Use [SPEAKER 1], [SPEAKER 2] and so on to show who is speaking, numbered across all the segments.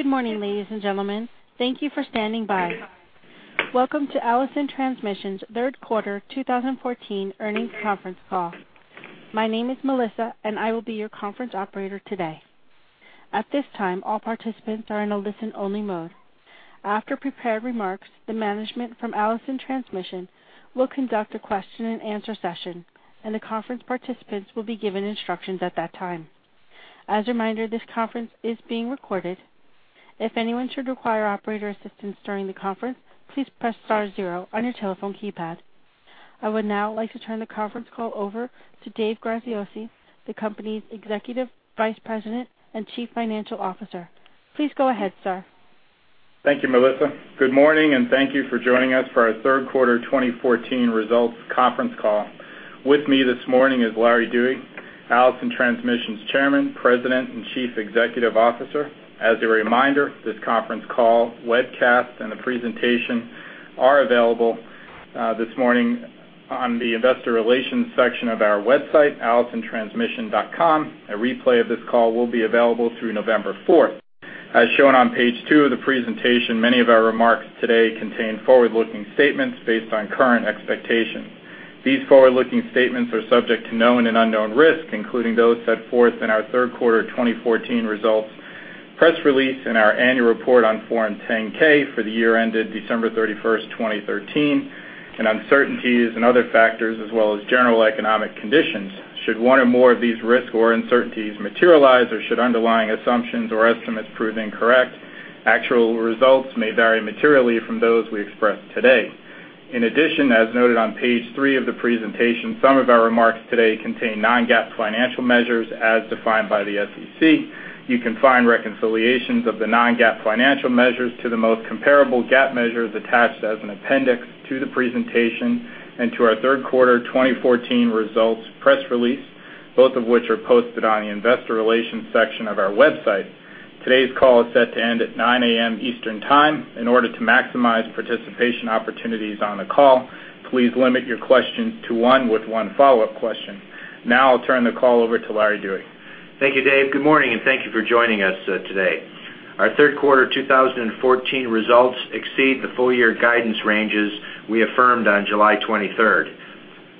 [SPEAKER 1] Good morning, ladies and gentlemen. Thank you for standing by. Welcome to Allison Transmission's Third Quarter 2014 Earnings Conference Call. My name is Melissa, and I will be your conference operator today. At this time, all participants are in a listen-only mode. After prepared remarks, the management from Allison Transmission will conduct a question-and-answer session, and the conference participants will be given instructions at that time. As a reminder, this conference is being recorded. If anyone should require operator assistance during the conference, please press star zero on your telephone keypad. I would now like to turn the conference call over to Dave Graziosi, the company's Executive Vice President and Chief Financial Officer. Please go ahead, sir.
[SPEAKER 2] Thank you, Melissa. Good morning, and thank you for joining us for our third quarter 2014 results conference call. With me this morning is Larry Dewey, Allison Transmission's Chairman, President, and Chief Executive Officer. As a reminder, this conference call, webcast, and the presentation are available this morning on the investor relations section of our website, allisontransmission.com. A replay of this call will be available through November 4. As shown on page 2 of the presentation, many of our remarks today contain forward-looking statements based on current expectations. These forward-looking statements are subject to known and unknown risks, including those set forth in our third quarter 2014 results press release and our Annual Report on Form 10-K for the year ended December 31, 2013, and uncertainties and other factors as well as general economic conditions. Should one or more of these risks or uncertainties materialize, or should underlying assumptions or estimates prove incorrect, actual results may vary materially from those we express today. In addition, as noted on page 3 of the presentation, some of our remarks today contain non-GAAP financial measures as defined by the SEC. You can find reconciliations of the non-GAAP financial measures to the most comparable GAAP measures attached as an appendix to the presentation and to our third quarter 2014 results press release, both of which are posted on the Investor Relations section of our website. Today's call is set to end at 9:00 A.M. Eastern Time. In order to maximize participation opportunities on the call, please limit your questions to one, with one follow-up question. Now I'll turn the call over to Larry Dewey.
[SPEAKER 3] Thank you, Dave. Good morning, and thank you for joining us, today. Our third quarter 2014 results exceed the full year guidance ranges we affirmed on July 23.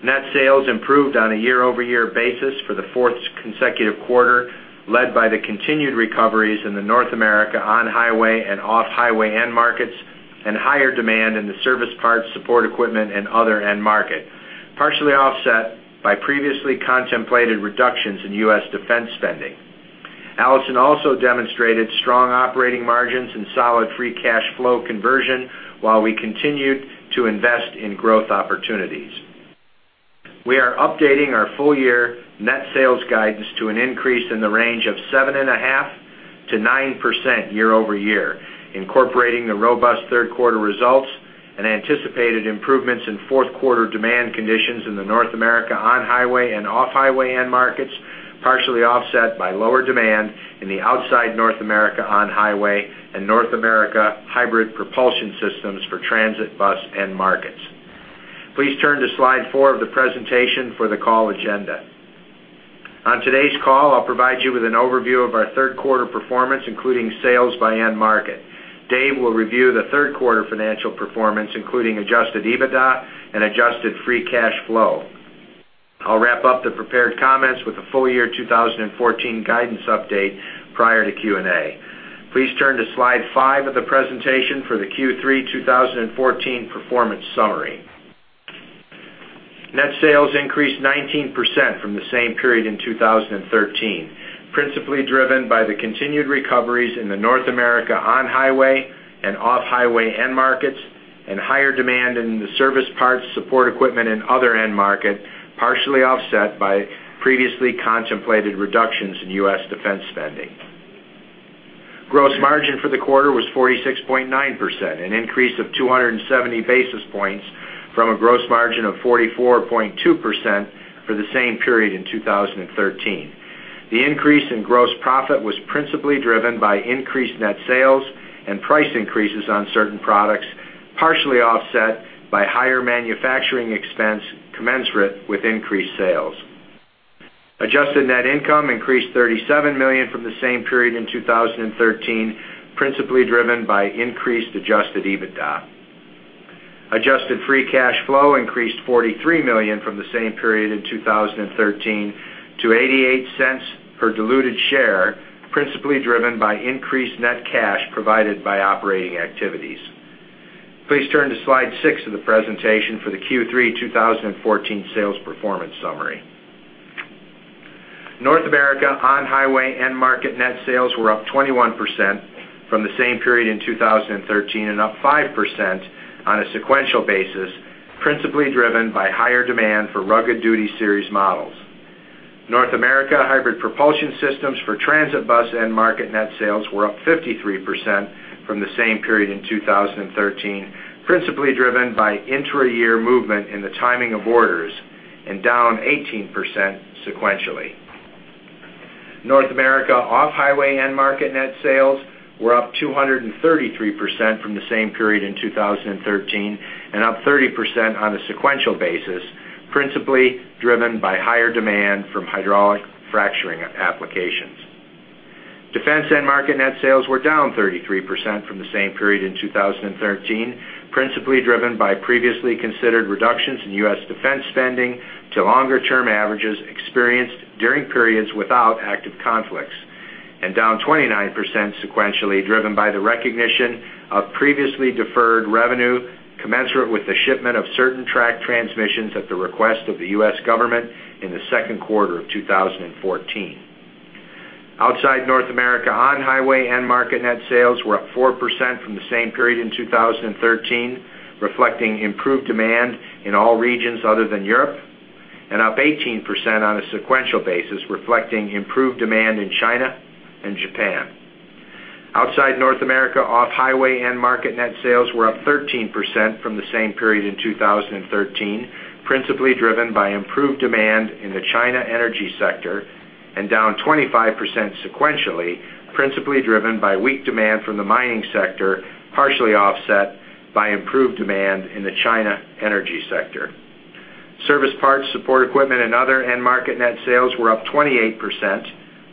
[SPEAKER 3] Net sales improved on a year-over-year basis for the fourth consecutive quarter, led by the continued recoveries in the North America on-highway and off-highway end markets, and higher demand in the service parts, support equipment, and other end market, partially offset by previously contemplated reductions in U.S. defense spending. Allison also demonstrated strong operating margins and solid free cash flow conversion while we continued to invest in growth opportunities. We are updating our full-year net sales guidance to an increase in the range of 7.5%-9% year-over-year, incorporating the robust third quarter results and anticipated improvements in fourth quarter demand conditions in the North America on-highway and off-highway end markets, partially offset by lower demand in the outside North America on-highway and North America hybrid propulsion systems for transit bus end markets. Please turn to slide 4 of the presentation for the call agenda. On today's call, I'll provide you with an overview of our third quarter performance, including sales by end market. Dave will review the third quarter financial performance, including Adjusted EBITDA and Adjusted free cash flow. I'll wrap up the prepared comments with the full-year 2014 guidance update prior to Q&A. Please turn to slide 5 of the presentation for the Q3-2014 performance summary. Net sales increased 19% from the same period in 2013, principally driven by the continued recoveries in the North America on-highway and off-highway end markets and higher demand in the service parts, support equipment, and other end market, partially offset by previously contemplated reductions in U.S. defense spending. Gross margin for the quarter was 46.9%, an increase of 270 basis points from a gross margin of 44.2% for the same period in 2013. The increase in gross profit was principally driven by increased net sales and price increases on certain products, partially offset by higher manufacturing expense commensurate with increased sales. Adjusted net income increased $37 million from the same period in 2013, principally driven by increased adjusted EBITDA. Adjusted free cash flow increased $43 million from the same period in 2013 to $0.88 per diluted share, principally driven by increased net cash provided by operating activities. Please turn to slide 6 of the presentation for the Q3-2014 sales performance summary. North America on-highway end market net sales were up 21% from the same period in 2013, and up 5% on a sequential basis, principally driven by higher demand for Rugged Duty Series models. North America hybrid propulsion systems for transit bus end market net sales were up 53% from the same period in 2013, principally driven by intra-year movement in the timing of orders and down 18% sequentially. North America off-highway end market net sales were up 233% from the same period in 2013, and up 30% on a sequential basis, principally driven by higher demand from hydraulic fracturing applications. Defense end market net sales were down 33% from the same period in 2013, principally driven by previously considered reductions in U.S. defense spending to longer-term averages experienced during periods without active conflicts, and down 29% sequentially, driven by the recognition of previously deferred revenue, commensurate with the shipment of certain tracked transmissions at the request of the U.S. government in the second quarter of 2014. Outside North America, on-highway end market net sales were up 4% from the same period in 2013, reflecting improved demand in all regions other than Europe, and up 18% on a sequential basis, reflecting improved demand in China and Japan. Outside North America, off-highway end market net sales were up 13% from the same period in 2013, principally driven by improved demand in the China energy sector, and down 25% sequentially, principally driven by weak demand from the mining sector, partially offset by improved demand in the China energy sector. Service parts, support equipment, and other end market net sales were up 28%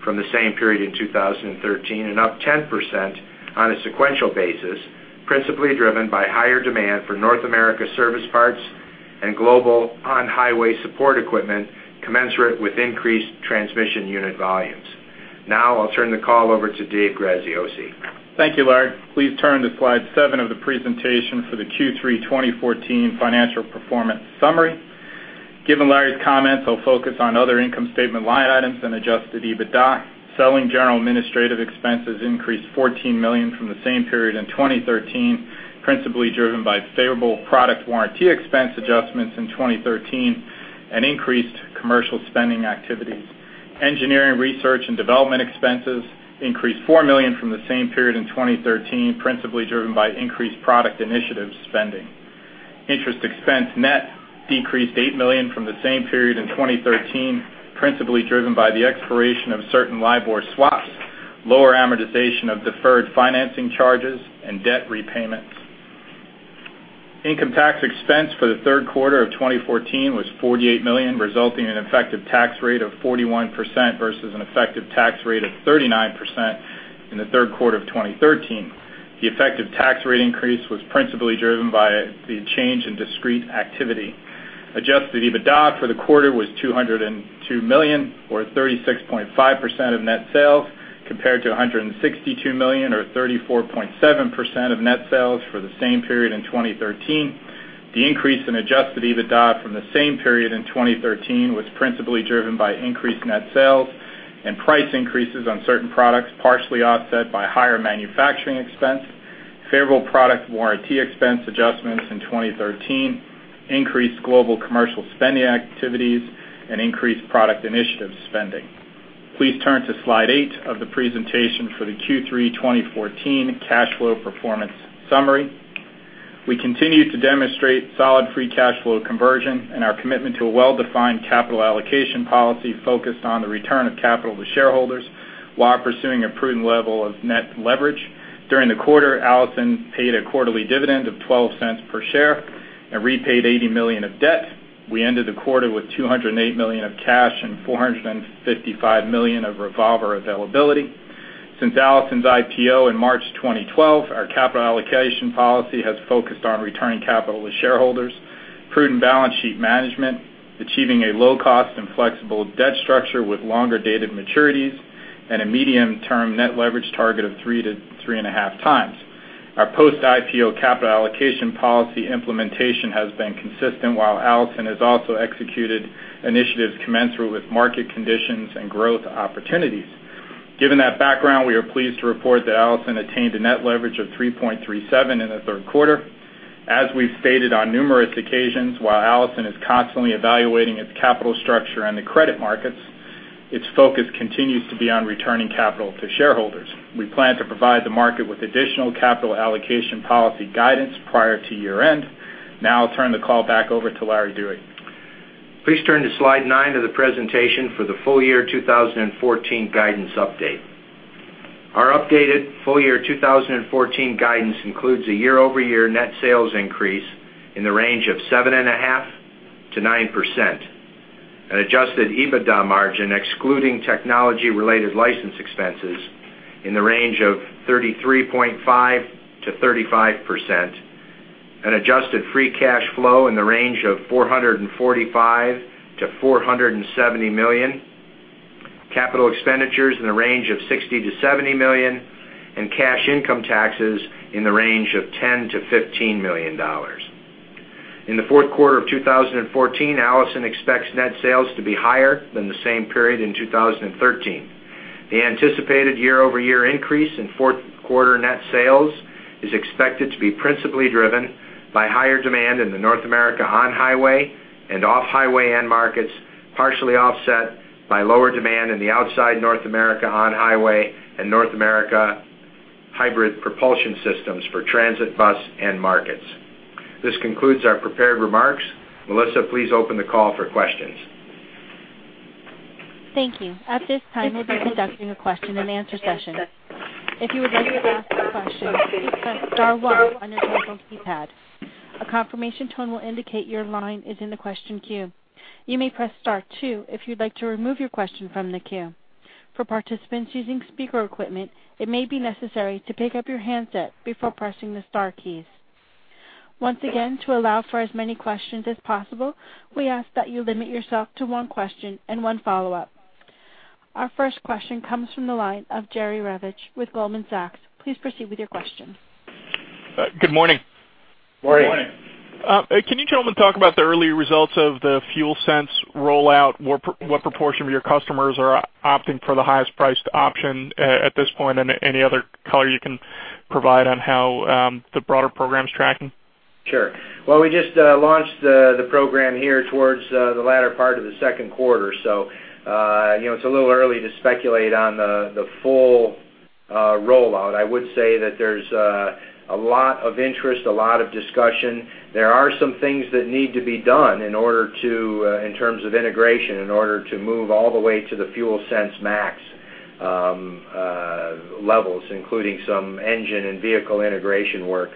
[SPEAKER 3] from the same period in 2013, and up 10% on a sequential basis, principally driven by higher demand for North America service parts and global on-highway support equipment, commensurate with increased transmission unit volumes. Now I'll turn the call over to Dave Graziosi.
[SPEAKER 2] Thank you, Larry. Please turn to slide 7 of the presentation for the Q3 2014 financial performance summary. Given Larry's comments, I'll focus on other income statement line items and adjusted EBITDA. Selling, general, and administrative expenses increased $14 million from the same period in 2013, principally driven by favorable product warranty expense adjustments in 2013 and increased commercial spending activities. Engineering, research, and development expenses increased $4 million from the same period in 2013, principally driven by increased product initiative spending. Interest expense net decreased $8 million from the same period in 2013, principally driven by the expiration of certain LIBOR swaps, lower amortization of deferred financing charges, and debt repayments. Income tax expense for the third quarter of 2014 was $48 million, resulting in an effective tax rate of 41% versus an effective tax rate of 39% in the third quarter of 2013. The effective tax rate increase was principally driven by the change in discrete activity. Adjusted EBITDA for the quarter was $202 million, or 36.5% of net sales, compared to $162 million, or 34.7% of net sales for the same period in 2013. The increase in adjusted EBITDA from the same period in 2013 was principally driven by increased net sales and price increases on certain products, partially offset by higher manufacturing expense, favorable product warranty expense adjustments in 2013, increased global commercial spending activities, and increased product initiative spending. Please turn to slide 8 of the presentation for the Q3 2014 cash flow performance summary. We continue to demonstrate solid free cash flow conversion and our commitment to a well-defined capital allocation policy focused on the return of capital to shareholders while pursuing a prudent level of net leverage. During the quarter, Allison paid a quarterly dividend of $0.12 per share and repaid $80 million of debt. We ended the quarter with $208 million of cash and $455 million of revolver availability. Since Allison's IPO in March 2012, our capital allocation policy has focused on returning capital to shareholders, prudent balance sheet management, achieving a low cost and flexible debt structure with longer dated maturities, and a medium-term net leverage target of 3-3.5 times. Our post-IPO capital allocation policy implementation has been consistent, while Allison has also executed initiatives commensurate with market conditions and growth opportunities. Given that background, we are pleased to report that Allison attained a net leverage of 3.37 in the third quarter. As we've stated on numerous occasions, while Allison is constantly evaluating its capital structure and the credit markets, its focus continues to be on returning capital to shareholders. We plan to provide the market with additional capital allocation policy guidance prior to year-end. Now I'll turn the call back over to Larry Dewey.
[SPEAKER 3] Please turn to slide 9 of the presentation for the full year 2014 guidance update. Our updated full year 2014 guidance includes a year-over-year net sales increase in the range of 7.5%-9%, an Adjusted EBITDA margin, excluding technology-related license expenses, in the range of 33.5%-35%, an adjusted free cash flow in the range of $445 million-$470 million, capital expenditures in the range of $60 million-$70 million, and cash income taxes in the range of $10 million-$15 million. In the fourth quarter of 2014, Allison expects net sales to be higher than the same period in 2013. The anticipated year-over-year increase in fourth quarter net sales is expected to be principally driven by higher demand in the North America on-highway and off-highway end markets, partially offset by lower demand in the outside North America on-highway and North America hybrid propulsion systems for transit bus end markets. This concludes our prepared remarks. Melissa, please open the call for questions.
[SPEAKER 1] Thank you. At this time, we'll be conducting a question-and-answer session. If you would like to ask a question, please press star one on your telephone keypad. A confirmation tone will indicate your line is in the question queue. You may press star two if you'd like to remove your question from the queue. For participants using speaker equipment, it may be necessary to pick up your handset before pressing the star keys. Once again, to allow for as many questions as possible, we ask that you limit yourself to one question and one follow-up. Our first question comes from the line of Jerry Revich with Goldman Sachs. Please proceed with your question.
[SPEAKER 4] Good morning.
[SPEAKER 3] Good morning.
[SPEAKER 4] Can you gentlemen talk about the early results of the FuelSense rollout? What proportion of your customers are opting for the highest priced option at this point? And any other color you can provide on how the broader program's tracking?
[SPEAKER 3] Sure. Well, we just launched the program here towards the latter part of the second quarter. So, you know, it's a little early to speculate on the full rollout. I would say that there's a lot of interest, a lot of discussion. There are some things that need to be done in order to, in terms of integration, in order to move all the way to the FuelSense Max levels, including some engine and vehicle integration work.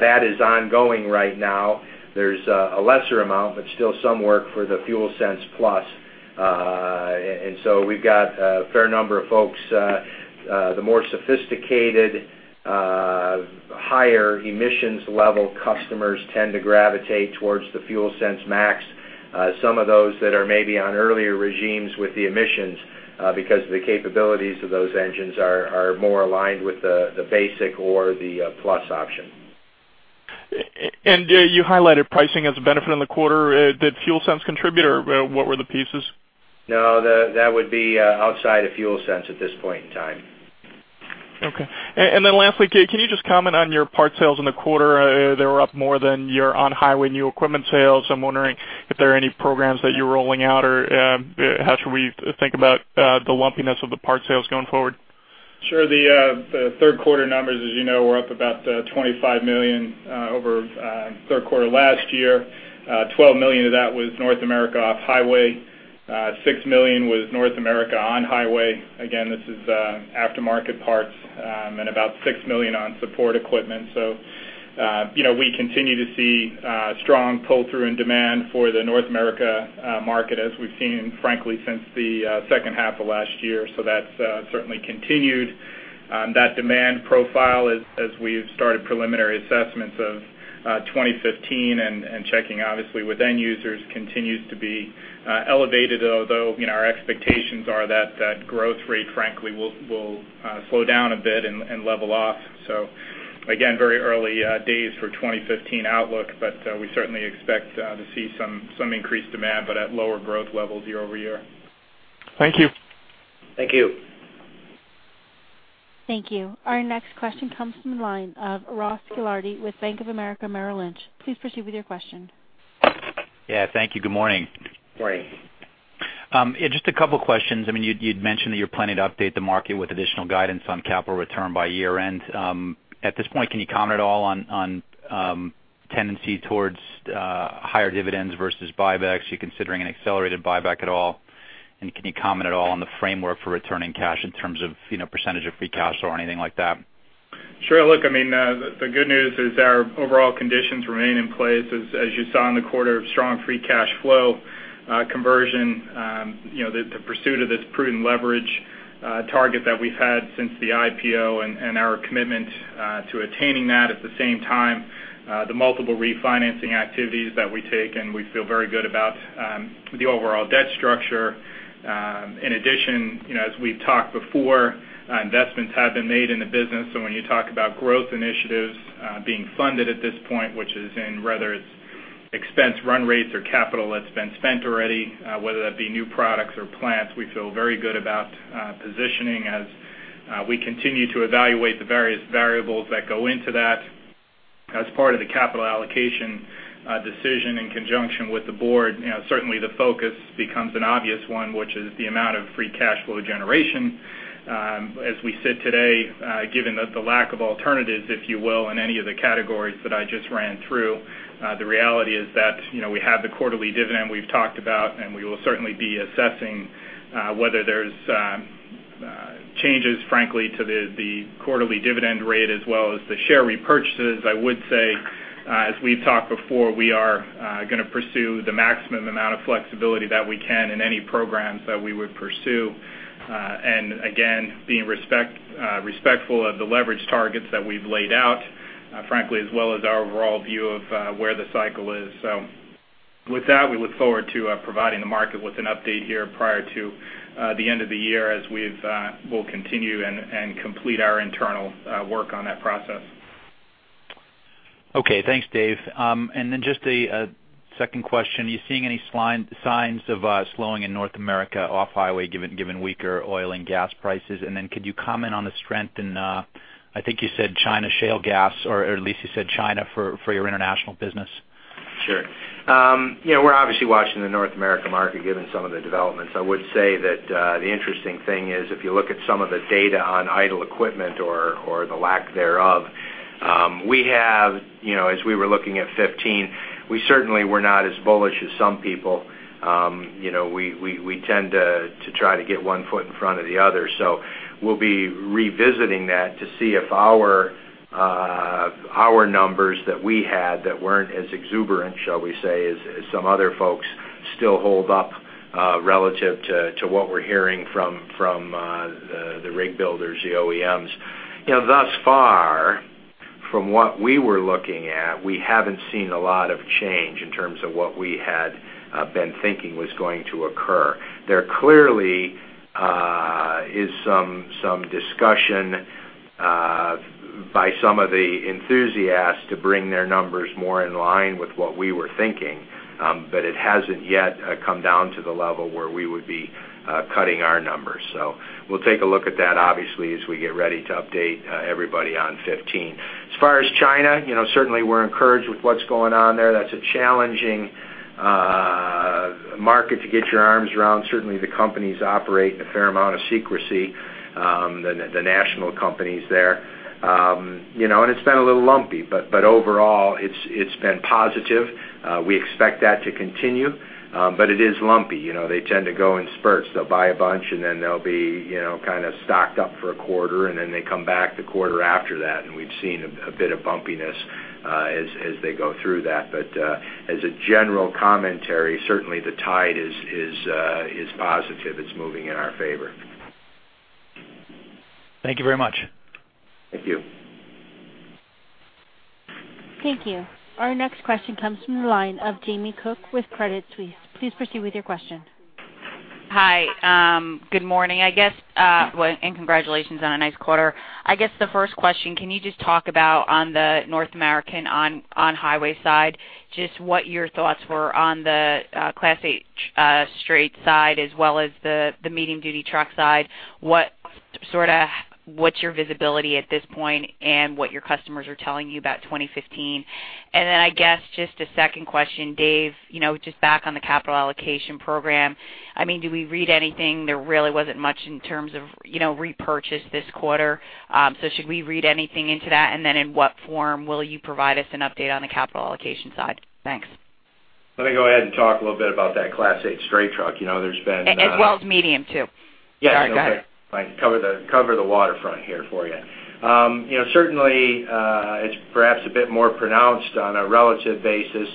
[SPEAKER 3] That is ongoing right now. There's a lesser amount, but still some work for the FuelSense Plus. And so we've got a fair number of folks, the more sophisticated higher emissions level customers tend to gravitate towards the FuelSense Max. Some of those that are maybe on earlier regimes with the emissions, because the capabilities of those engines are more aligned with the basic or the plus option.
[SPEAKER 4] You highlighted pricing as a benefit in the quarter. Did FuelSense contribute, or what were the pieces?
[SPEAKER 3] No, that would be outside of FuelSense at this point in time.
[SPEAKER 4] Okay. And then lastly, Dave, can you just comment on your parts sales in the quarter? They were up more than your on-highway new equipment sales. I'm wondering if there are any programs that you're rolling out, or how should we think about the lumpiness of the parts sales going forward?
[SPEAKER 2] Sure. The third quarter numbers, as you know, were up about $25 million over third quarter last year. $12 million of that was North America off-highway. $6 million was North America on-highway. Again, this is aftermarket parts and about $6 million on support equipment. So, you know, we continue to see strong pull-through in demand for the North America market, as we've seen, frankly, since the second half of last year. So that's certainly continued. That demand profile as we've started preliminary assessments of 2015 and checking obviously with end users, continues to be elevated, although, you know, our expectations are that that growth rate, frankly, will slow down a bit and level off. So again, very early days for 2015 outlook, but we certainly expect to see some increased demand, but at lower growth levels year-over-year.
[SPEAKER 4] Thank you.
[SPEAKER 3] Thank you.
[SPEAKER 1] Thank you. Our next question comes from the line of Ross Gilardi with Bank of America Merrill Lynch. Please proceed with your question.
[SPEAKER 5] Yeah, thank you. Good morning.
[SPEAKER 3] Good morning.
[SPEAKER 5] Just a couple questions. I mean, you'd mentioned that you're planning to update the market with additional guidance on capital return by year-end. At this point, can you comment at all on tendency towards higher dividends versus buybacks? Are you considering an accelerated buyback at all? And can you comment at all on the framework for returning cash in terms of, you know, percentage of Free Cash Flow or anything like that?
[SPEAKER 2] Sure. Look, I mean, the good news is our overall conditions remain in place. As you saw in the quarter, strong Free Cash Flow conversion, you know, the pursuit of this prudent leverage target that we've had since the IPO and our commitment to attaining that. At the same time, the multiple refinancing activities that we take, and we feel very good about the overall debt structure. In addition, you know, as we've talked before, investments have been made in the business. So when you talk about growth initiatives being funded at this point, which is in whether it's expense run rates or capital that's been spent already, whether that be new products or plants, we feel very good about positioning as we continue to evaluate the various variables that go into that. As part of the capital allocation decision in conjunction with the board, you know, certainly the focus becomes an obvious one, which is the amount of Free Cash Flow generation. As we sit today, given that the lack of alternatives, if you will, in any of the categories that I just ran through, the reality is that, you know, we have the quarterly dividend we've talked about, and we will certainly be assessing whether there's changes, frankly, to the quarterly dividend rate as well as the share repurchases. I would say, as we've talked before, we are gonna pursue the maximum amount of flexibility that we can in any programs that we would pursue. And again, being respectful of the leverage targets that we've laid out, frankly, as well as our overall view of where the cycle is. So with that, we look forward to providing the market with an update here prior to the end of the year, as we've we'll continue and complete our internal work on that process.
[SPEAKER 5] Okay. Thanks, Dave. And then just a second question: Are you seeing any signs of slowing in North America off-highway, given weaker oil and gas prices? And then could you comment on the strength in, I think you said China shale gas, or at least you said China for your international business?
[SPEAKER 3] Sure. You know, we're obviously watching the North America market, given some of the developments. I would say that the interesting thing is, if you look at some of the data on idle equipment or the lack thereof. We have, you know, as we were looking at 15, we certainly were not as bullish as some people. You know, we tend to try to get one foot in front of the other. So we'll be revisiting that to see if our numbers that we had that weren't as exuberant, shall we say, as some other folks, still hold up relative to what we're hearing from the rig builders, the OEMs. You know, thus far, from what we were looking at, we haven't seen a lot of change in terms of what we had been thinking was going to occur. There clearly is some discussion by some of the enthusiasts to bring their numbers more in line with what we were thinking, but it hasn't yet come down to the level where we would be cutting our numbers. So we'll take a look at that, obviously, as we get ready to update everybody on 15. As far as China, you know, certainly we're encouraged with what's going on there. That's a challenging market to get your arms around. Certainly, the companies operate in a fair amount of secrecy, the national companies there. You know, and it's been a little lumpy, but overall, it's been positive. We expect that to continue, but it is lumpy. You know, they tend to go in spurts. They'll buy a bunch, and then they'll be, you know, kind of stocked up for a quarter, and then they come back the quarter after that, and we've seen a bit of bumpiness as they go through that. But as a general commentary, certainly the tide is positive. It's moving in our favor.
[SPEAKER 5] Thank you very much.
[SPEAKER 3] Thank you.
[SPEAKER 1] Thank you. Our next question comes from the line of Jamie Cook with Credit Suisse. Please proceed with your question.
[SPEAKER 6] Hi, good morning, I guess, well, and congratulations on a nice quarter. I guess the first question, can you just talk about on the North American, on-highway side, just what your thoughts were on the, Class H, straight side, as well as the, the medium-duty truck side? What, sorta, what's your visibility at this point and what your customers are telling you about 2015? And then, I guess, just a second question, Dave, you know, just back on the capital allocation program, I mean, do we read anything? There really wasn't much in terms of, you know, repurchase this quarter. So should we read anything into that, and then in what form will you provide us an update on the capital allocation side? Thanks.
[SPEAKER 3] Let me go ahead and talk a little bit about that Class H straight truck. You know, there's been,
[SPEAKER 6] As well as medium, too.
[SPEAKER 3] Yeah, okay.
[SPEAKER 6] All right, go ahead.
[SPEAKER 3] I cover the waterfront here for you. You know, certainly, it's perhaps a bit more pronounced on a relative basis.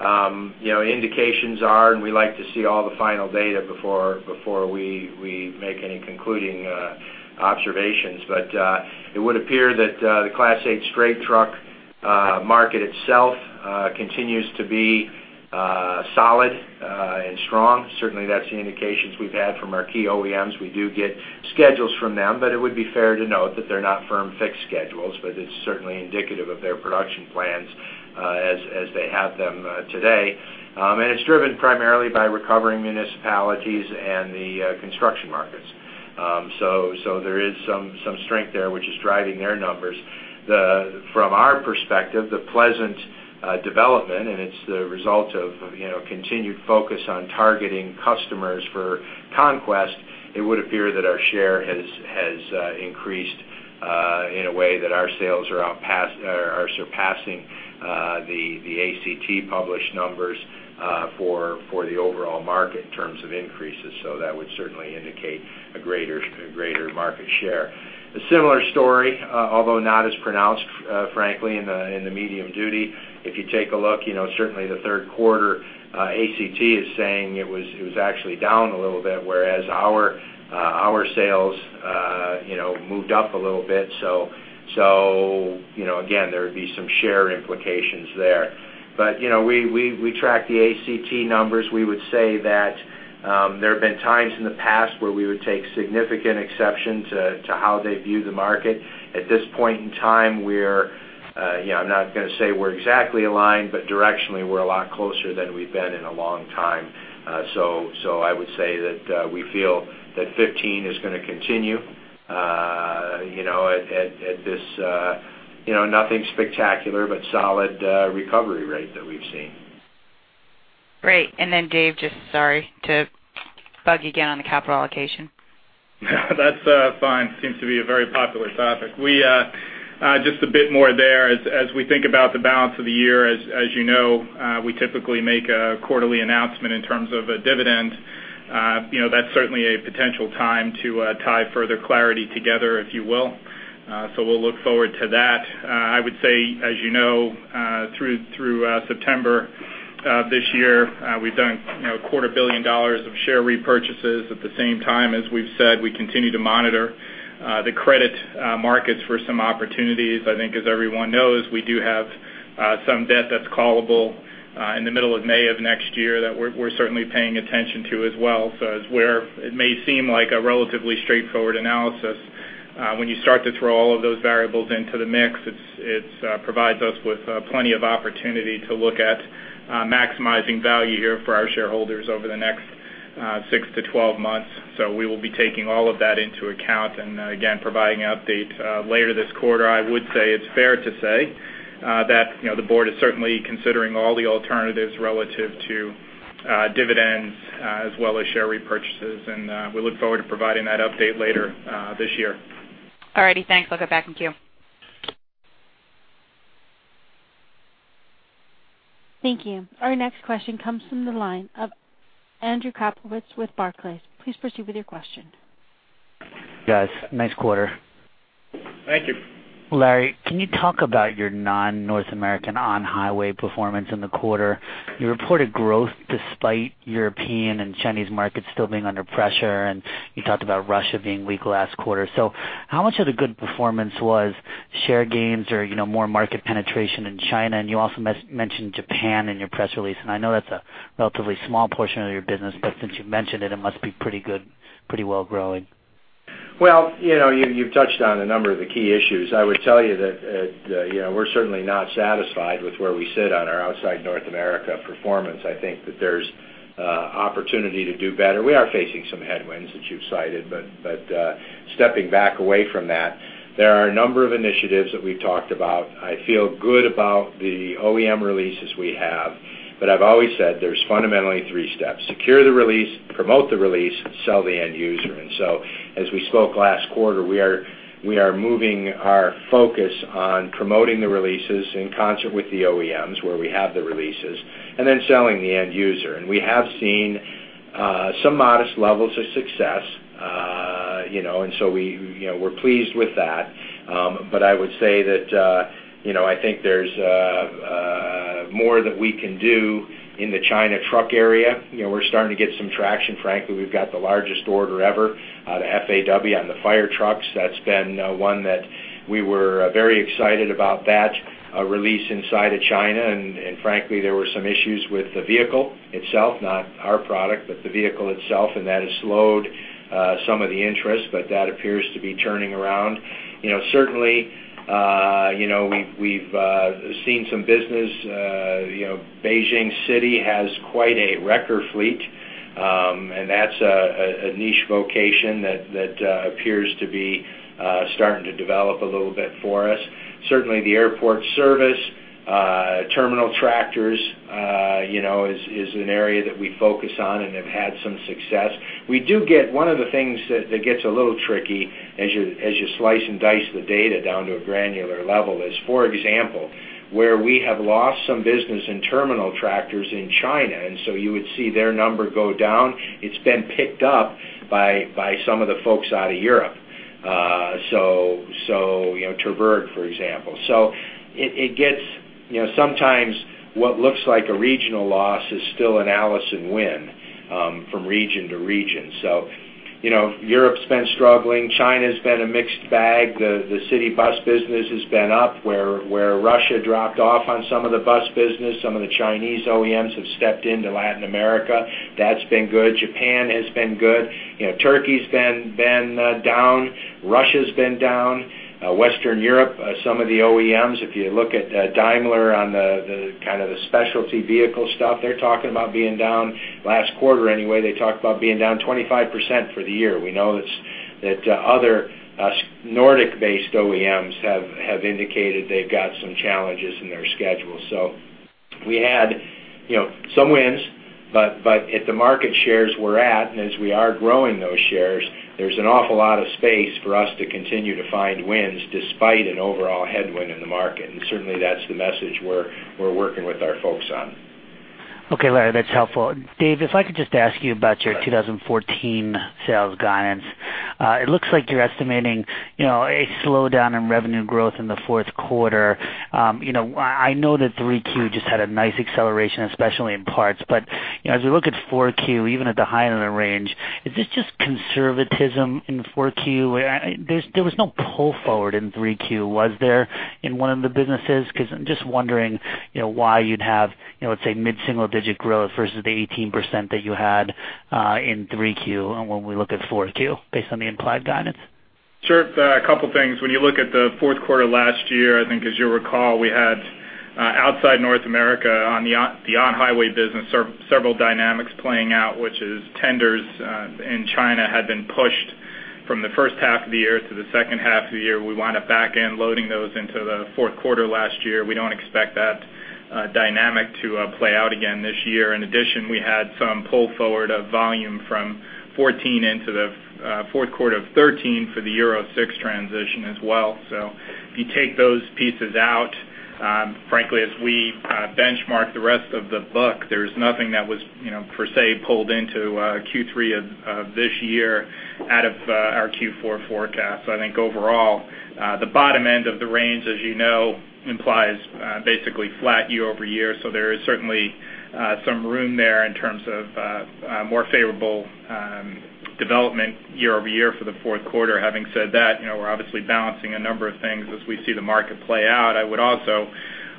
[SPEAKER 3] You know, indications are, and we like to see all the final data before we make any concluding observations, but it would appear that the Class H straight truck market itself continues to be solid and strong. Certainly, that's the indications we've had from our key OEMs. We do get schedules from them, but it would be fair to note that they're not firm, fixed schedules, but it's certainly indicative of their production plans as they have them today. And it's driven primarily by recovering municipalities and the construction markets. So there is some strength there, which is driving their numbers. The pleasant development, and it's the result of, you know, continued focus on targeting customers for conquest, it would appear that our share has increased in a way that our sales are outpacing, or are surpassing, the ACT published numbers for the overall market in terms of increases. So that would certainly indicate a greater market share. A similar story, although not as pronounced, frankly, in the medium duty. If you take a look, you know, certainly the third quarter, ACT is saying it was actually down a little bit, whereas our sales, you know, moved up a little bit. So, you know, again, there would be some share implications there. But, you know, we track the ACT numbers. We would say that, there have been times in the past where we would take significant exception to how they view the market. At this point in time, we're, you know, I'm not going to say we're exactly aligned, but directionally, we're a lot closer than we've been in a long time. So I would say that we feel that 15 is going to continue, you know, at this, you know, nothing spectacular, but solid recovery rate that we've seen.
[SPEAKER 6] Great. And then, Dave, just sorry to bug you again on the capital allocation.
[SPEAKER 2] That's fine. Seems to be a very popular topic. We just a bit more there. As we think about the balance of the year, as you know, we typically make a quarterly announcement in terms of a dividend. You know, that's certainly a potential time to tie further clarity together, if you will, so we'll look forward to that. I would say, as you know, through September of this year, we've done, you know, $250 million of share repurchases. At the same time, as we've said, we continue to monitor the credit markets for some opportunities. I think, as everyone knows, we do have some debt that's callable in the middle of May of next year, that we're certainly paying attention to as well. So as where it may seem like a relatively straightforward analysis, when you start to throw all of those variables into the mix, it provides us with plenty of opportunity to look at maximizing value here for our shareholders over the next 6-12 months. So we will be taking all of that into account, and again, providing an update later this quarter. I would say, it's fair to say that, you know, the board is certainly considering all the alternatives relative to dividends as well as share repurchases, and we look forward to providing that update later this year.
[SPEAKER 6] All righty. Thanks. I'll go back in queue.
[SPEAKER 1] Thank you. Our next question comes from the line of Andrew Kaplowitz with Barclays. Please proceed with your question.
[SPEAKER 7] Guys, nice quarter.
[SPEAKER 3] Thank you.
[SPEAKER 7] Larry, can you talk about your non-North American on-highway performance in the quarter? You reported growth despite European and Chinese markets still being under pressure, and you talked about Russia being weak last quarter. So how much of the good performance was share gains or, you know, more market penetration in China? And you also mentioned Japan in your press release, and I know that's a relatively small portion of your business, but since you've mentioned it, it must be pretty good, pretty well growing.
[SPEAKER 3] Well, you know, you, you've touched on a number of the key issues. I would tell you that, you know, we're certainly not satisfied with where we sit on our outside North America performance. I think that there's opportunity to do better. We are facing some headwinds that you've cited, but, stepping back away from that, there are a number of initiatives that we've talked about. I feel good about the OEM releases we have, but I've always said there's fundamentally three steps: secure the release, promote the release, sell the end user. And so, as we spoke last quarter, we are, we are moving our focus on promoting the releases in concert with the OEMs, where we have the releases, and then selling the end user. We have seen some modest levels of success, you know, and so we, you know, we're pleased with that. But I would say that, you know, I think there's more that we can do in the China truck area. You know, we're starting to get some traction. Frankly, we've got the largest order ever, the FAW on the fire trucks. That's been one that we were very excited about that release inside of China, and frankly, there were some issues with the vehicle itself, not our product, but the vehicle itself, and that has slowed some of the interest, but that appears to be turning around. You know, certainly, you know, we've seen some business, you know, Beijing City has quite a wrecker fleet, and that's a niche vocation that appears to be starting to develop a little bit for us. Certainly, the airport service, terminal tractors, you know, is an area that we focus on and have had some success. We do get one of the things that gets a little tricky as you slice and dice the data down to a granular level is, for example, where we have lost some business in terminal tractors in China, and so you would see their number go down. It's been picked up by some of the folks out of Europe, so you know, Terberg, for example. So it gets, you know, sometimes what looks like a regional loss is still an Allison win from region to region. So, you know, Europe's been struggling, China's been a mixed bag. The city bus business has been up, where Russia dropped off on some of the bus business. Some of the Chinese OEMs have stepped into Latin America. That's been good. Japan has been good. You know, Turkey's been down. Russia's been down. Western Europe, some of the OEMs, if you look at Daimler on the kind of specialty vehicle stuff, they're talking about being down last quarter anyway. They talked about being down 25% for the year. We know that other Nordic-based OEMs have indicated they've got some challenges in their schedule. So we had, you know, some wins, but, but at the market shares we're at, and as we are growing those shares, there's an awful lot of space for us to continue to find wins despite an overall headwind in the market. And certainly, that's the message we're, we're working with our folks on.
[SPEAKER 7] Okay, Larry, that's helpful. Dave, if I could just ask you about your 2014 sales guidance. It looks like you're estimating, you know, a slowdown in revenue growth in the fourth quarter. You know, I know that 3Q just had a nice acceleration, especially in parts. But, you know, as we look at 4Q, even at the high end of the range, is this just conservatism in 4Q? There was no pull forward in 3Q, was there, in one of the businesses? Because I'm just wondering, you know, why you'd have, you know, let's say, mid-single digit growth versus the 18% that you had in 3Q and when we look at 4Q, based on the implied guidance.
[SPEAKER 2] Sure. A couple things. When you look at the fourth quarter last year, I think as you'll recall, we had, outside North America, on the on-highway business, several dynamics playing out, which is tenders in China had been pushed from the first half of the year to the second half of the year. We wound up back end loading those into the fourth quarter last year. We don't expect that dynamic to play out again this year. In addition, we had some pull forward of volume from 2014 into the fourth quarter of 2013 for the Euro 6 transition as well. So if you take those pieces out, frankly, as we benchmark the rest of the book, there's nothing that was, you know, per se, pulled into Q3 of this year out of our Q4 forecast. So I think overall, the bottom end of the range, as you know, implies basically flat year-over-year. So there is certainly some room there in terms of more favorable development year-over-year for the fourth quarter. Having said that, you know, we're obviously balancing a number of things as we see the market play out. I would also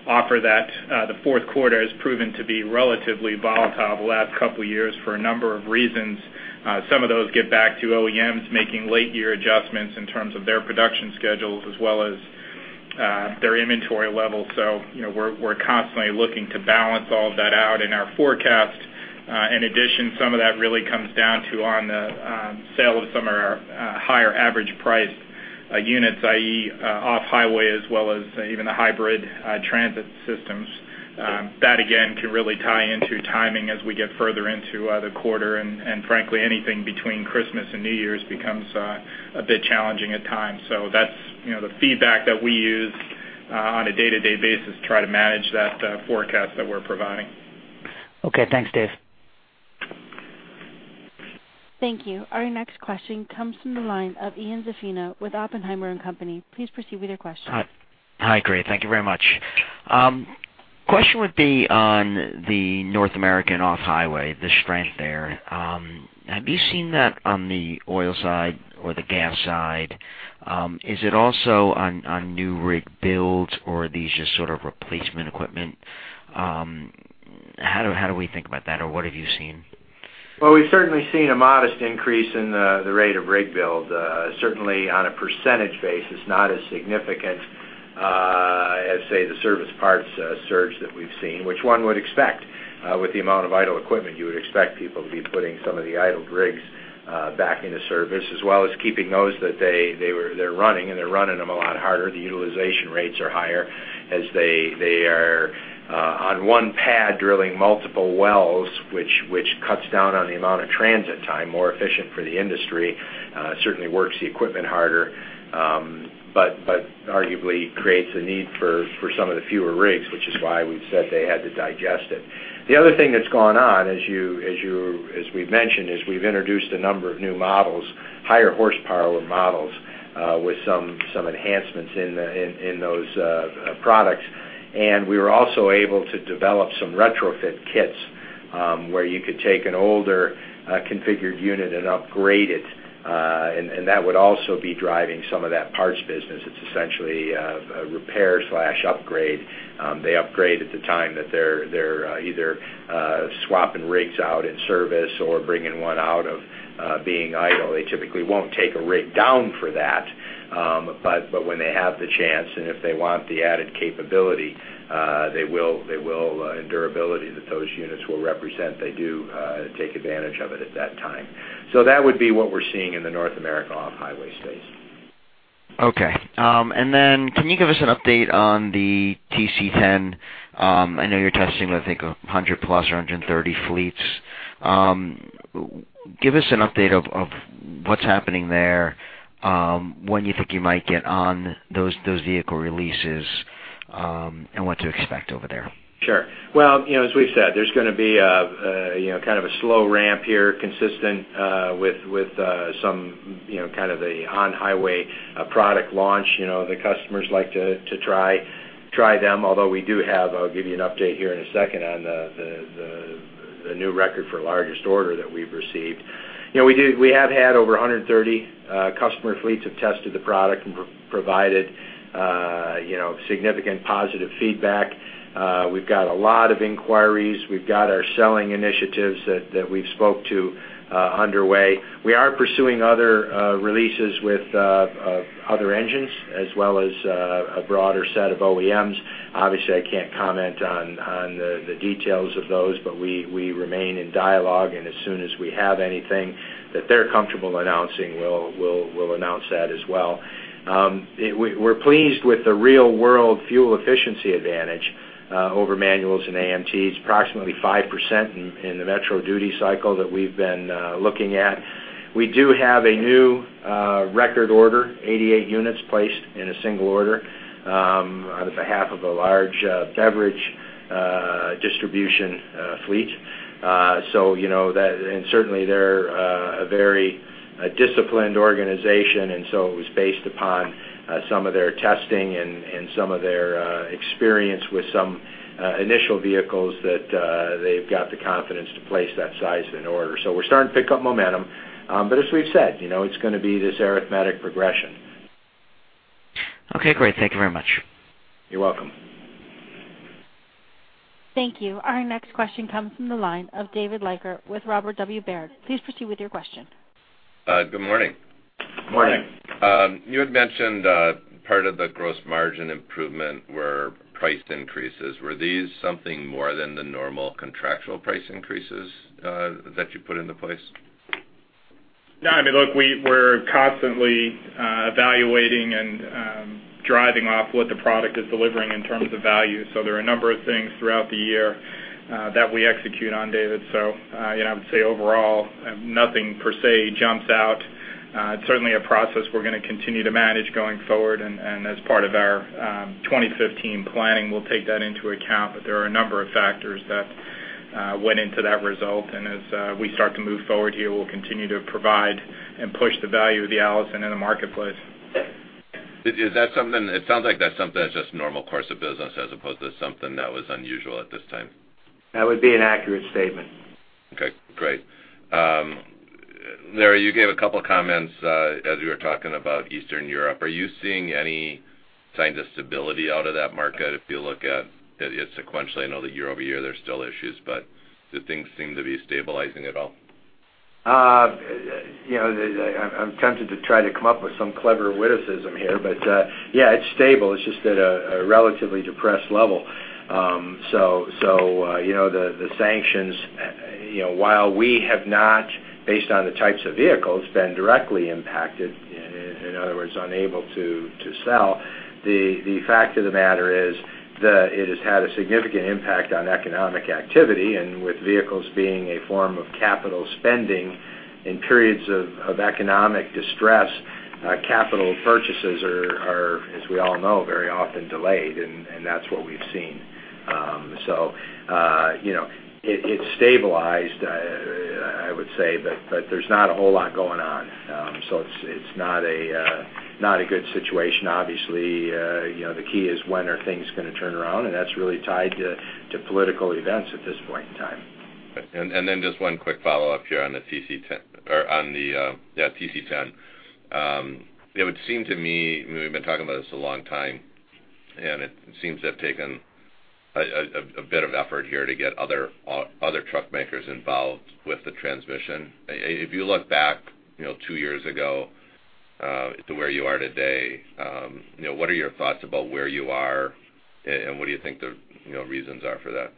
[SPEAKER 2] offer that the fourth quarter has proven to be relatively volatile the last couple of years for a number of reasons. Some of those get back to OEMs making late year adjustments in terms of their production schedules, as well as their inventory levels. So, you know, we're constantly looking to balance all of that out in our forecast. In addition, some of that really comes down to on the sale of some of our higher average priced units, i.e., off-highway, as well as even the hybrid transit systems. That again can really tie into timing as we get further into the quarter. And frankly, anything between Christmas and New Year's becomes a bit challenging at times. So that's, you know, the feedback that we use on a day-to-day basis to try to manage that forecast that we're providing.
[SPEAKER 8] Okay. Thanks, Dave.
[SPEAKER 1] Thank you. Our next question comes from the line of Ian Zaffino with Oppenheimer and Company. Please proceed with your question.
[SPEAKER 8] Hi, great. Thank you very much. Question would be on the North American off-highway, the strength there. Have you seen that on the oil side or the gas side? Is it also on new rig builds, or are these just sort of replacement equipment? How do we think about that, or what have you seen?
[SPEAKER 3] Well, we've certainly seen a modest increase in the rate of rig build, certainly on a percentage basis, not as significant as, say, the service parts surge that we've seen, which one would expect. With the amount of idle equipment, you would expect people to be putting some of the idled rigs back into service, as well as keeping those that they're running, and they're running them a lot harder. The utilization rates are higher as they are on one pad, drilling multiple wells, which cuts down on the amount of transit time, more efficient for the industry, certainly works the equipment harder, but arguably creates a need for some of the fewer rigs, which is why we've said they had to digest it. The other thing that's gone on, as we've mentioned, is we've introduced a number of new models, higher horsepower models, with some enhancements in those products. And we were also able to develop some retrofit kits, where you could take an older configured unit and upgrade it, and that would also be driving some of that parts business. It's essentially a repair/upgrade. They upgrade at the time that they're either swapping rigs out in service or bringing one out of being idle. They typically won't take a rig down for that, but when they have the chance, and if they want the added capability, they will, and durability that those units will represent, they do take advantage of it at that time. That would be what we're seeing in the North America off-highway space.
[SPEAKER 8] Okay. And then can you give us an update on the TC10? I know you're testing, I think, 100+ or 130 fleets. Give us an update of what's happening there, when you think you might get on those vehicle releases, and what to expect over there.
[SPEAKER 3] Sure. Well, you know, as we've said, there's going to be a you know, kind of a slow ramp here, consistent with some you know, kind of the on-highway product launch. You know, the customers like to try them, although we do have... I'll give you an update here in a second on the new record for largest order that we've received. You know, we do, we have had over 130 customer fleets have tested the product and provided you know, significant positive feedback. We've got a lot of inquiries. We've got our selling initiatives that we've spoke to underway. We are pursuing other releases with other engines, as well as a broader set of OEMs. Obviously, I can't comment on the details of those, but we remain in dialogue, and as soon as we have anything that they're comfortable announcing, we'll announce that as well. We're pleased with the real-world fuel efficiency advantage over manuals and AMTs, approximately 5% in the metro duty cycle that we've been looking at. We do have a new record order, 88 units placed in a single order, on behalf of a large beverage distribution fleet. So you know, that, and certainly, they're a very disciplined organization, and so it was based upon some of their testing and some of their experience with some initial vehicles that they've got the confidence to place that size of an order. We're starting to pick up momentum, but as we've said, you know, it's going to be this arithmetic progression.
[SPEAKER 8] Okay, great. Thank you very much.
[SPEAKER 3] You're welcome.
[SPEAKER 1] Thank you. Our next question comes from the line of David Leiker with Robert W. Baird. Please proceed with your question.
[SPEAKER 9] Good morning.
[SPEAKER 3] Morning.
[SPEAKER 9] You had mentioned part of the gross margin improvement were price increases. Were these something more than the normal contractual price increases that you put into place?
[SPEAKER 3] No, I mean, look, we -- we're constantly evaluating and driving off what the product is delivering in terms of value. So there are a number of things throughout the year that we execute on, David. So, you know, I would say overall, nothing per se jumps out. It's certainly a process we're going to continue to manage going forward, and as part of our 2015 planning, we'll take that into account. But there are a number of factors that went into that result, and as we start to move forward here, we'll continue to provide and push the value of the Allison in the marketplace.
[SPEAKER 9] Is that something - it sounds like that's something that's just normal course of business as opposed to something that was unusual at this time?
[SPEAKER 3] That would be an accurate statement.
[SPEAKER 9] Okay, great. Larry, you gave a couple comments as you were talking about Eastern Europe. Are you seeing any signs of stability out of that market? If you look at it sequentially, I know that year-over-year, there's still issues, but do things seem to be stabilizing at all?...
[SPEAKER 3] You know, I'm tempted to try to come up with some clever witticism here, but, yeah, it's stable. It's just at a relatively depressed level. So, you know, the sanctions, you know, while we have not, based on the types of vehicles, been directly impacted, in other words, unable to sell, the fact of the matter is that it has had a significant impact on economic activity, and with vehicles being a form of capital spending in periods of economic distress, capital purchases are, as we all know, very often delayed, and that's what we've seen. So, you know, it's stabilized, I would say, but there's not a whole lot going on. So it's not a good situation, obviously. you know, the key is when are things going to turn around? That's really tied to political events at this point in time.
[SPEAKER 9] Then just one quick follow-up here on the TC10—or on the, yeah, TC10. It would seem to me, we've been talking about this a long time, and it seems to have taken a bit of effort here to get other truck makers involved with the transmission. If you look back, you know, two years ago to where you are today, you know, what are your thoughts about where you are, and what do you think the reasons are for that?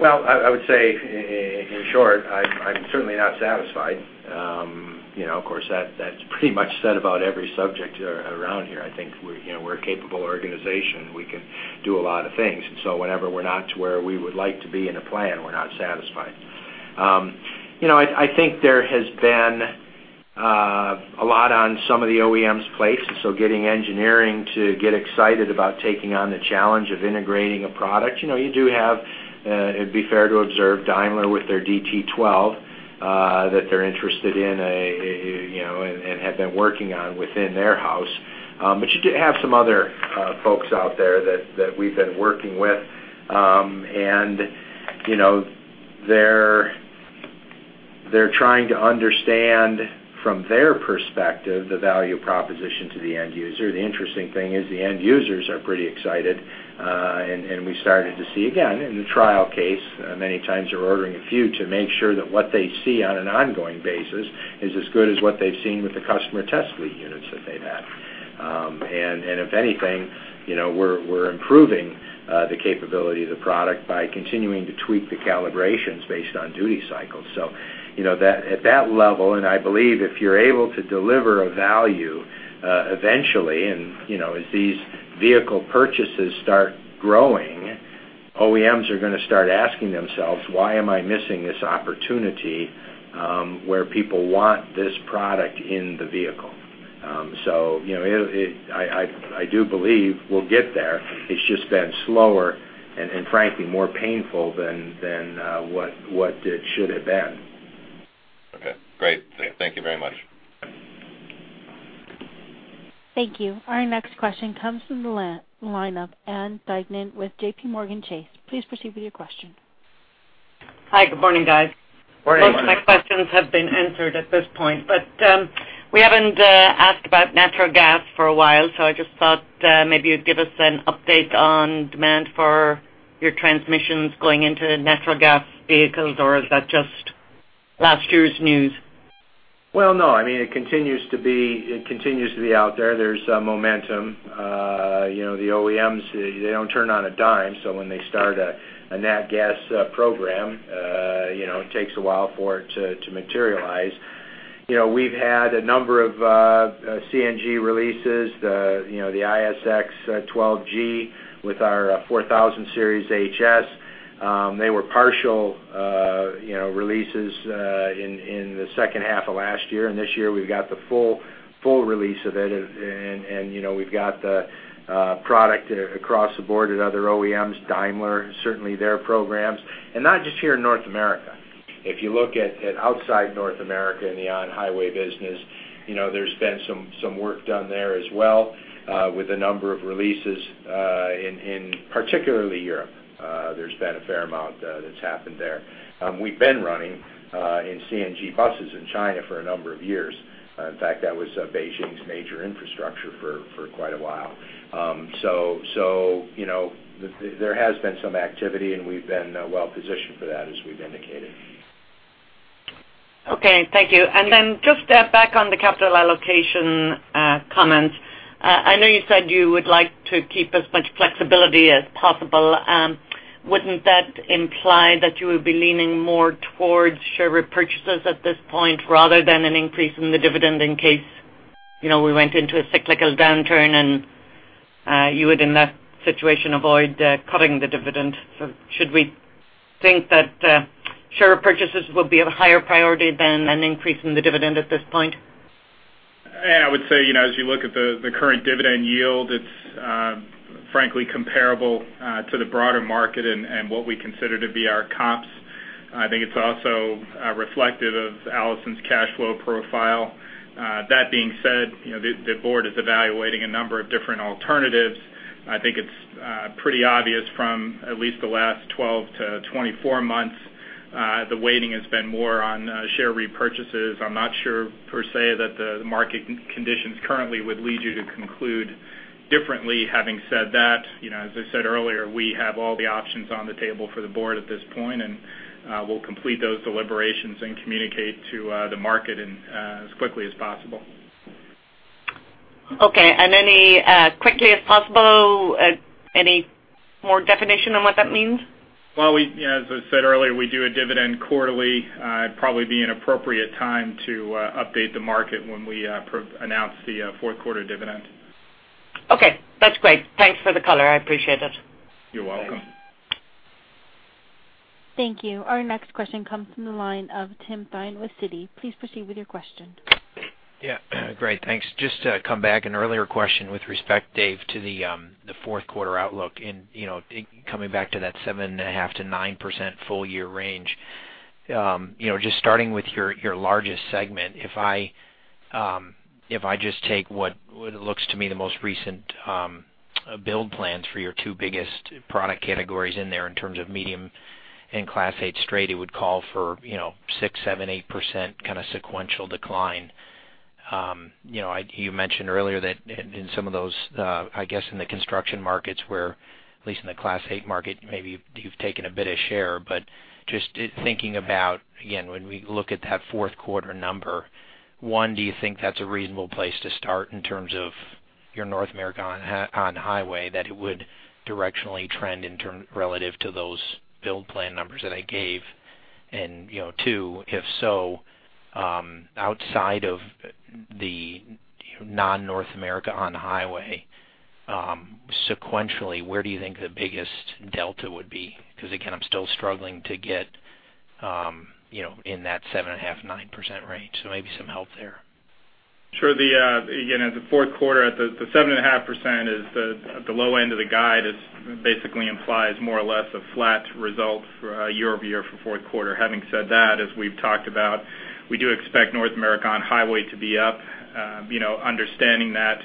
[SPEAKER 3] Well, in short, I'm certainly not satisfied. You know, of course, that's pretty much said about every subject around here. I think we're a capable organization. We can do a lot of things. So whenever we're not to where we would like to be in a plan, we're not satisfied. You know, I think there has been a lot on some of the OEMs' plates, so getting engineering to get excited about taking on the challenge of integrating a product. You know, you do have, it'd be fair to observe Daimler with their DT12, that they're interested in, and have been working on within their house. But you do have some other folks out there that we've been working with, and, you know, they're trying to understand from their perspective, the value proposition to the end user. The interesting thing is the end users are pretty excited, and we started to see, again, in the trial case, many times they're ordering a few to make sure that what they see on an ongoing basis is as good as what they've seen with the customer test lead units that they've had. And if anything, you know, we're improving the capability of the product by continuing to tweak the calibrations based on duty cycles. So, you know, that at that level, and I believe if you're able to deliver a value, eventually, and, you know, as these vehicle purchases start growing, OEMs are going to start asking themselves: Why am I missing this opportunity, where people want this product in the vehicle? So, you know, it, I do believe we'll get there. It's just been slower and, frankly, more painful than, what it should have been.
[SPEAKER 9] Okay, great. Thank you very much.
[SPEAKER 1] Thank you. Our next question comes from the line of Ann Duignan with JPMorgan. Please proceed with your question.
[SPEAKER 10] Hi, good morning, guys.
[SPEAKER 3] Morning.
[SPEAKER 10] Most of my questions have been answered at this point, but we haven't asked about natural gas for a while, so I just thought maybe you'd give us an update on demand for your transmissions going into natural gas vehicles, or is that just last year's news?
[SPEAKER 3] Well, no, I mean, it continues to be, it continues to be out there. There's momentum. You know, the OEMs, they don't turn on a dime, so when they start a nat gas program, you know, it takes a while for it to materialize. You know, we've had a number of CNG releases, the, you know, the ISX12 G with our 4000 Series HS. They were partial releases in the second half of last year, and this year, we've got the full, full release of it. And, you know, we've got the product across the board at other OEMs, Daimler, certainly their programs, and not just here in North America. If you look at outside North America in the on-highway business, you know, there's been some work done there as well with a number of releases in particularly Europe. There's been a fair amount that's happened there. We've been running in CNG buses in China for a number of years. In fact, that was Beijing's major infrastructure for quite a while. So you know, there has been some activity, and we've been well-positioned for that, as we've indicated.
[SPEAKER 10] Okay, thank you. And then just back on the capital allocation comments. I know you said you would like to keep as much flexibility as possible. Wouldn't that imply that you would be leaning more towards share repurchases at this point rather than an increase in the dividend in case, you know, we went into a cyclical downturn and you would, in that situation, avoid cutting the dividend? So should we think that share purchases will be of higher priority than an increase in the dividend at this point?
[SPEAKER 2] Yeah, I would say, you know, as you look at the current dividend yield, it's frankly comparable to the broader market and what we consider to be our comps. I think it's also reflective of Allison's cash flow profile. That being said, you know, the board is evaluating a number of different alternatives. I think it's pretty obvious from at least the last 12 to 24 months, the waiting has been more on share repurchases. I'm not sure per se, that the market conditions currently would lead you to conclude differently. Having said that, you know, as I said earlier, we have all the options on the table for the board at this point, and we'll complete those deliberations and communicate to the market and as quickly as possible.
[SPEAKER 10] Okay. And, quickly as possible, any more definition on what that means?
[SPEAKER 2] Well, as I said earlier, we do a dividend quarterly. It'd probably be an appropriate time to update the market when we announce the fourth quarter dividend.
[SPEAKER 10] Okay, that's great. Thanks for the color. I appreciate it.
[SPEAKER 2] You're welcome.
[SPEAKER 1] Thank you. Our next question comes from the line of Tim Thein with Citi. Please proceed with your question.
[SPEAKER 11] Yeah, great, thanks. Just to come back, an earlier question with respect, Dave, to the, the fourth quarter outlook, and, you know, coming back to that 7.5%-9% full year range. You know, just starting with your, your largest segment, if I, if I just take what, what it looks to me, the most recent, build plans for your two biggest product categories in there in terms of medium- and Class 8 straight, it would call for, you know, 6%, 7%, 8% kind of sequential decline. You know, you mentioned earlier that in some of those, I guess, in the construction markets, where at least in the Class 8 market, maybe you've taken a bit of share, but just thinking about, again, when we look at that fourth quarter number, one, do you think that's a reasonable place to start in terms of your North America on-highway, that it would directionally trend in terms relative to those build plan numbers that I gave? And, you know, two, if so, outside of the non-North America on-highway, sequentially, where do you think the biggest delta would be? Because, again, I'm still struggling to get, you know, in that 7.5%-9% range, so maybe some help there.
[SPEAKER 2] Sure. The, again, as a fourth quarter, at the, the 7.5% is the, at the low end of the guide, it basically implies more or less a flat result for, year-over-year for fourth quarter. Having said that, as we've talked about, we do expect North America on-highway to be up. You know, understanding that,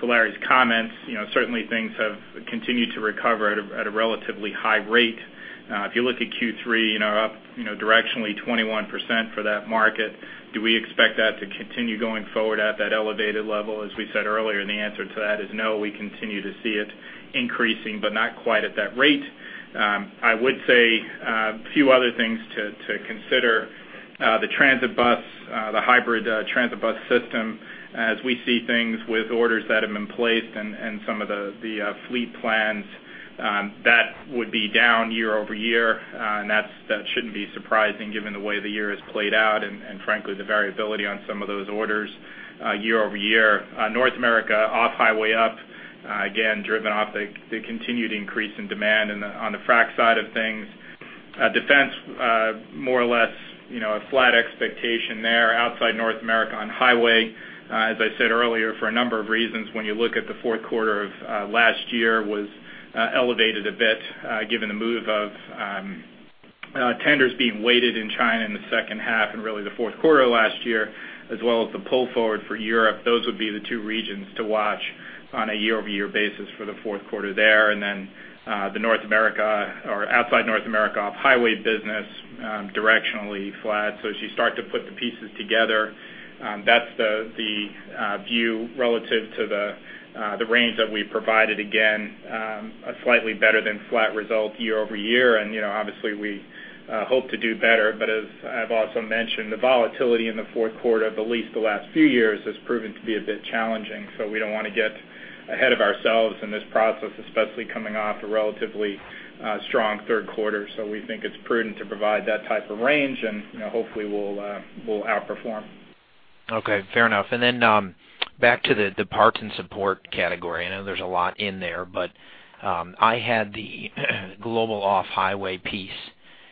[SPEAKER 2] to Larry's comments, you know, certainly things have continued to recover at a, at a relatively high rate. If you look at Q3, you know, up, you know, directionally 21% for that market. Do we expect that to continue going forward at that elevated level? As we said earlier, the answer to that is no. We continue to see it increasing, but not quite at that rate. I would say a few other things to consider, the transit bus, the hybrid transit bus system, as we see things with orders that have been placed and some of the fleet plans, that would be down year-over-year, and that shouldn't be surprising given the way the year has played out and frankly, the variability on some of those orders year-over-year. North America, off-highway up, again, driven off the continued increase in demand and on the frac side of things. Defense, more or less, you know, a flat expectation there outside North America on-highway. As I said earlier, for a number of reasons, when you look at the fourth quarter of last year was elevated a bit, given the move of tenders being weighted in China in the second half and really the fourth quarter last year, as well as the pull forward for Europe, those would be the two regions to watch on a year-over-year basis for the fourth quarter there. And then, the North America or outside North America off-highway business, directionally flat. So as you start to put the pieces together, that's the view relative to the range that we provided. Again, a slightly better than flat result year-over-year, and, you know, obviously, we hope to do better. But as I've also mentioned, the volatility in the fourth quarter, at least the last few years, has proven to be a bit challenging, so we don't want to get ahead of ourselves in this process, especially coming off a relatively strong third quarter. So we think it's prudent to provide that type of range, and, you know, hopefully, we'll outperform.
[SPEAKER 11] Okay, fair enough. Then, back to the parts and support category. I know there's a lot in there, but I had the global off-highway piece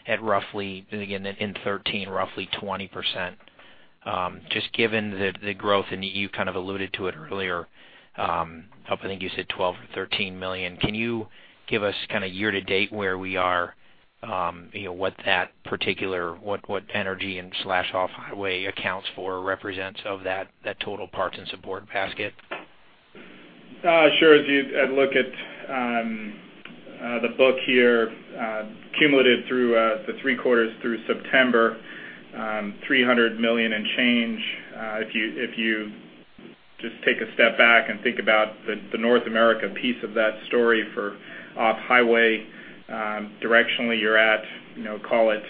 [SPEAKER 11] at roughly, again, in 13, roughly 20%. Just given the growth, and you kind of alluded to it earlier, I think you said $12 million or $13 million. Can you give us kind of year to date where we are, you know, what that particular, what energy/off-highway accounts for or represents of that total parts and support basket?
[SPEAKER 2] Sure. As you look at the book here, cumulative through the three quarters through September, $300 million and change. If you just take a step back and think about the North America piece of that story for off-highway, directionally, you're at, you know, call it,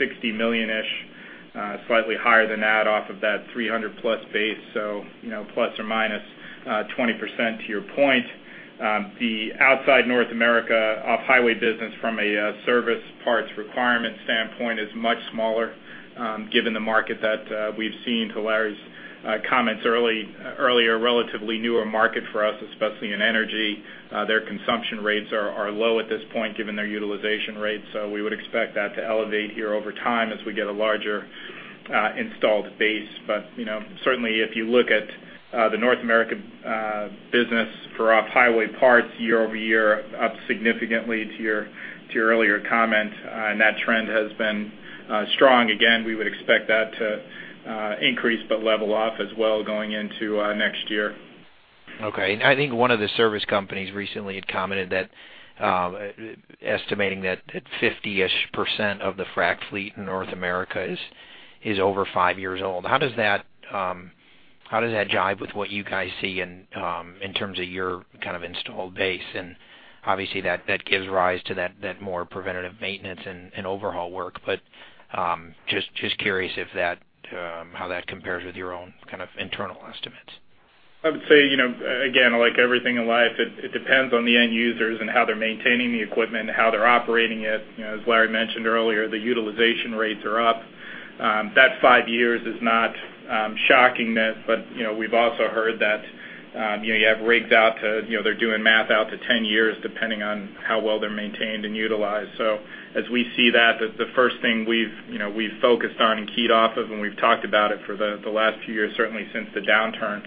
[SPEAKER 2] $60 million-ish, slightly higher than that off of that $300+ base, so, you know, plus or minus 20% to your point. The outside North America off-highway business from a service parts requirement standpoint is much smaller, given the market that we've seen to Larry's comments earlier, relatively newer market for us, especially in energy. Their consumption rates are low at this point, given their utilization rates, so we would expect that to elevate here over time as we get a larger installed base. But, you know, certainly if you look at the North America business for off-highway parts year-over-year, up significantly to your earlier comment, and that trend has been strong. Again, we would expect that to increase but level off as well going into next year....
[SPEAKER 11] Okay. And I think one of the service companies recently had commented that, estimating that 50-ish% of the frac fleet in North America is over 5 years old. How does that jive with what you guys see in terms of your kind of installed base? And obviously, that gives rise to that more preventative maintenance and overhaul work. But just curious how that compares with your own kind of internal estimates.
[SPEAKER 2] I would say, you know, again, like everything in life, it depends on the end users and how they're maintaining the equipment, how they're operating it. You know, as Larry mentioned earlier, the utilization rates are up. That 5 years is not shocking news, but, you know, we've also heard that, you know, you have rigs out to, you know, they're doing math out to 10 years, depending on how well they're maintained and utilized. So as we see that, the first thing we've, you know, we've focused on and keyed off of, and we've talked about it for the last few years, certainly since the downturn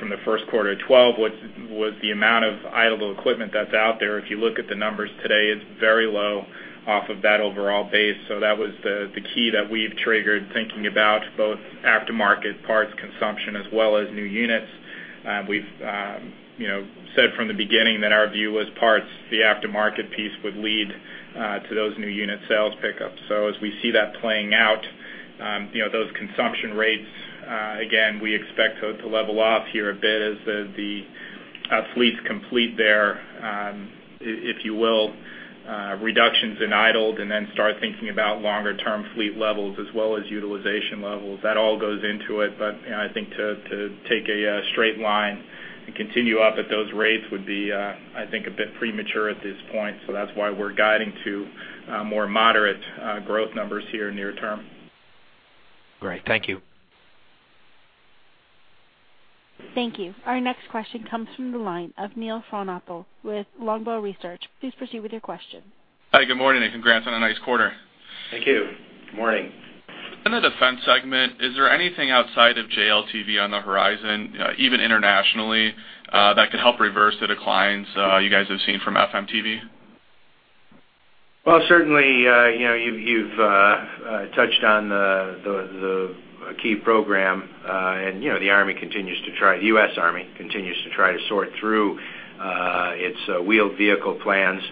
[SPEAKER 2] from the first quarter of 2012, was the amount of idle equipment that's out there. If you look at the numbers today, it's very low off of that overall base. So that was the key that we've triggered, thinking about both aftermarket parts consumption as well as new units. We've, you know, said from the beginning that our view was parts, the aftermarket piece would lead to those new unit sales pickups. So as we see that playing out, you know, those consumption rates, again, we expect to level off here a bit as the fleets complete their, if you will, reductions in idled and then start thinking about longer term fleet levels as well as utilization levels. That all goes into it. But, you know, I think to take a straight line and continue up at those rates would be, I think, a bit premature at this point. So that's why we're guiding to more moderate growth numbers here near term.
[SPEAKER 11] Great. Thank you.
[SPEAKER 1] Thank you. Our next question comes from the line of Neil Frohnapple with Longbow Research. Please proceed with your question.
[SPEAKER 12] Hi, good morning, and congrats on a nice quarter.
[SPEAKER 3] Thank you. Good morning.
[SPEAKER 12] In the defense segment, is there anything outside of JLTV on the horizon, even internationally, that could help reverse the declines, you guys have seen from FMTV?
[SPEAKER 3] Well, certainly, you know, you've touched on the key program, and, you know, the Army continues to try, the U.S. Army continues to try to sort through its wheeled vehicle plans.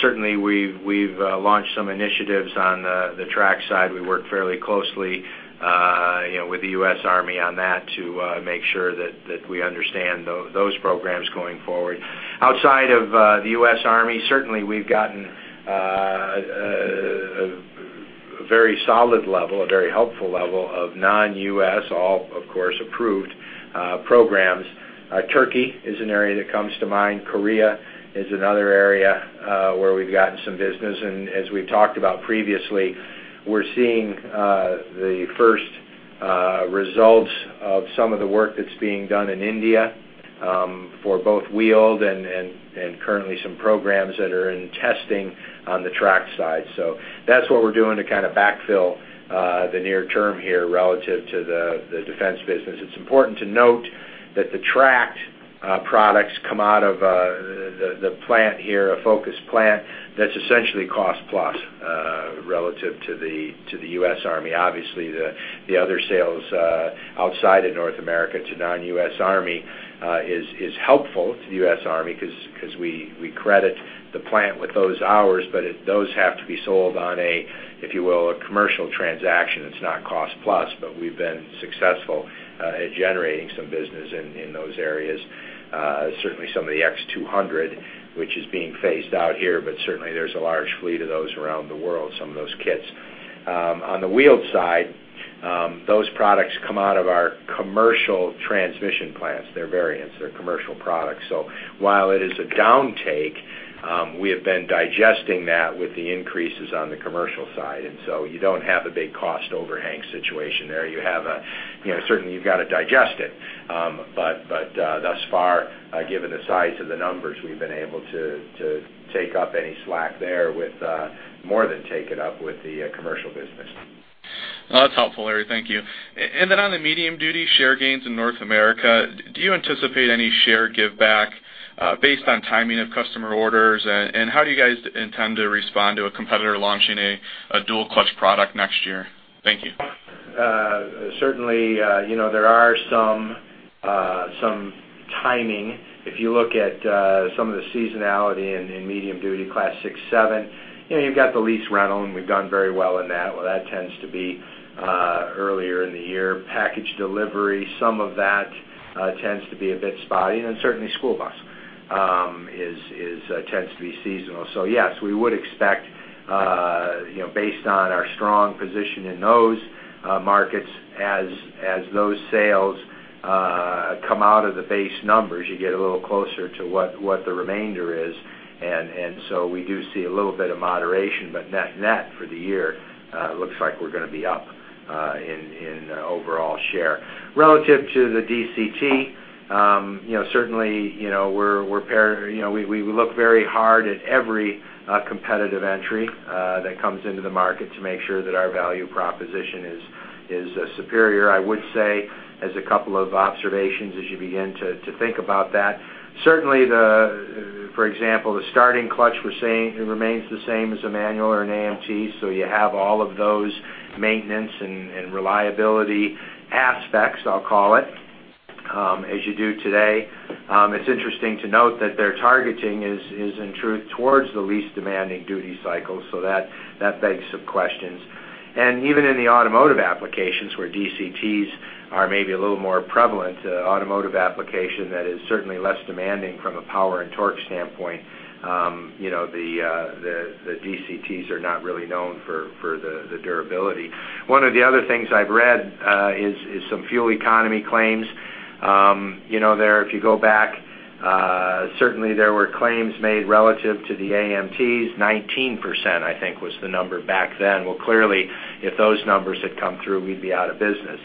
[SPEAKER 3] Certainly, we've launched some initiatives on the track side. We work fairly closely, you know, with the U.S. Army on that to make sure that we understand those programs going forward. Outside of the U.S. Army, certainly we've gotten a very solid level, a very helpful level of non-U.S., all, of course, approved programs. Turkey is an area that comes to mind. Korea is another area where we've gotten some business. As we've talked about previously, we're seeing the first results of some of the work that's being done in India for both wheeled and currently some programs that are in testing on the track side. So that's what we're doing to kind of backfill the near term here relative to the defense business. It's important to note that the tracked products come out of the plant here, a focused plant that's essentially cost plus relative to the US Army. Obviously, the other sales outside of North America to non-US Army is helpful to the US Army because we credit the plant with those hours, but those have to be sold on a, if you will, a commercial transaction. It's not cost plus, but we've been successful at generating some business in those areas. Certainly some of the X200, which is being phased out here, but certainly there's a large fleet of those around the world, some of those kits. On the wheeled side, those products come out of our commercial transmission plants. They're variants, they're commercial products. So while it is a downtake, we have been digesting that with the increases on the commercial side. And so you don't have a big cost overhang situation there. You have a, you know, certainly you've got to digest it. But thus far, given the size of the numbers, we've been able to to take up any slack there with more than take it up with the commercial business.
[SPEAKER 12] Well, that's helpful, Larry. Thank you. And then on the medium-duty share gains in North America, do you anticipate any share give back, based on timing of customer orders? And how do you guys intend to respond to a competitor launching a dual clutch product next year? Thank you.
[SPEAKER 3] Certainly, you know, there are some, some timing. If you look at some of the seasonality in medium-duty Class 6/7, you know, you've got the lease rental, and we've done very well in that. Well, that tends to be earlier in the year. Package delivery, some of that tends to be a bit spotty. And then certainly school bus is tends to be seasonal. So yes, we would expect, you know, based on our strong position in those markets, as those sales come out of the base numbers, you get a little closer to what the remainder is. And so we do see a little bit of moderation, but net net for the year looks like we're going to be up in overall share. Relative to the DCT, you know, certainly, you know, we're, we look very hard at every competitive entry that comes into the market to make sure that our value proposition is superior. I would say, as a couple of observations, as you begin to think about that, certainly the, for example, the starting clutch we're seeing, it remains the same as a manual or an AMT, so you have all of those maintenance and reliability aspects, I'll call it, as you do today. It's interesting to note that their targeting is in truth towards the least demanding duty cycle, so that begs some questions. And even in the automotive applications, where DCTs are maybe a little more prevalent, automotive application that is certainly less demanding from a power and torque standpoint, you know, the DCTs are not really known for the durability. One of the other things I've read is some fuel economy claims. You know, there, if you go back, certainly there were claims made relative to the AMTs, 19%, I think, was the number back then. Well, clearly, if those numbers had come through, we'd be out of business.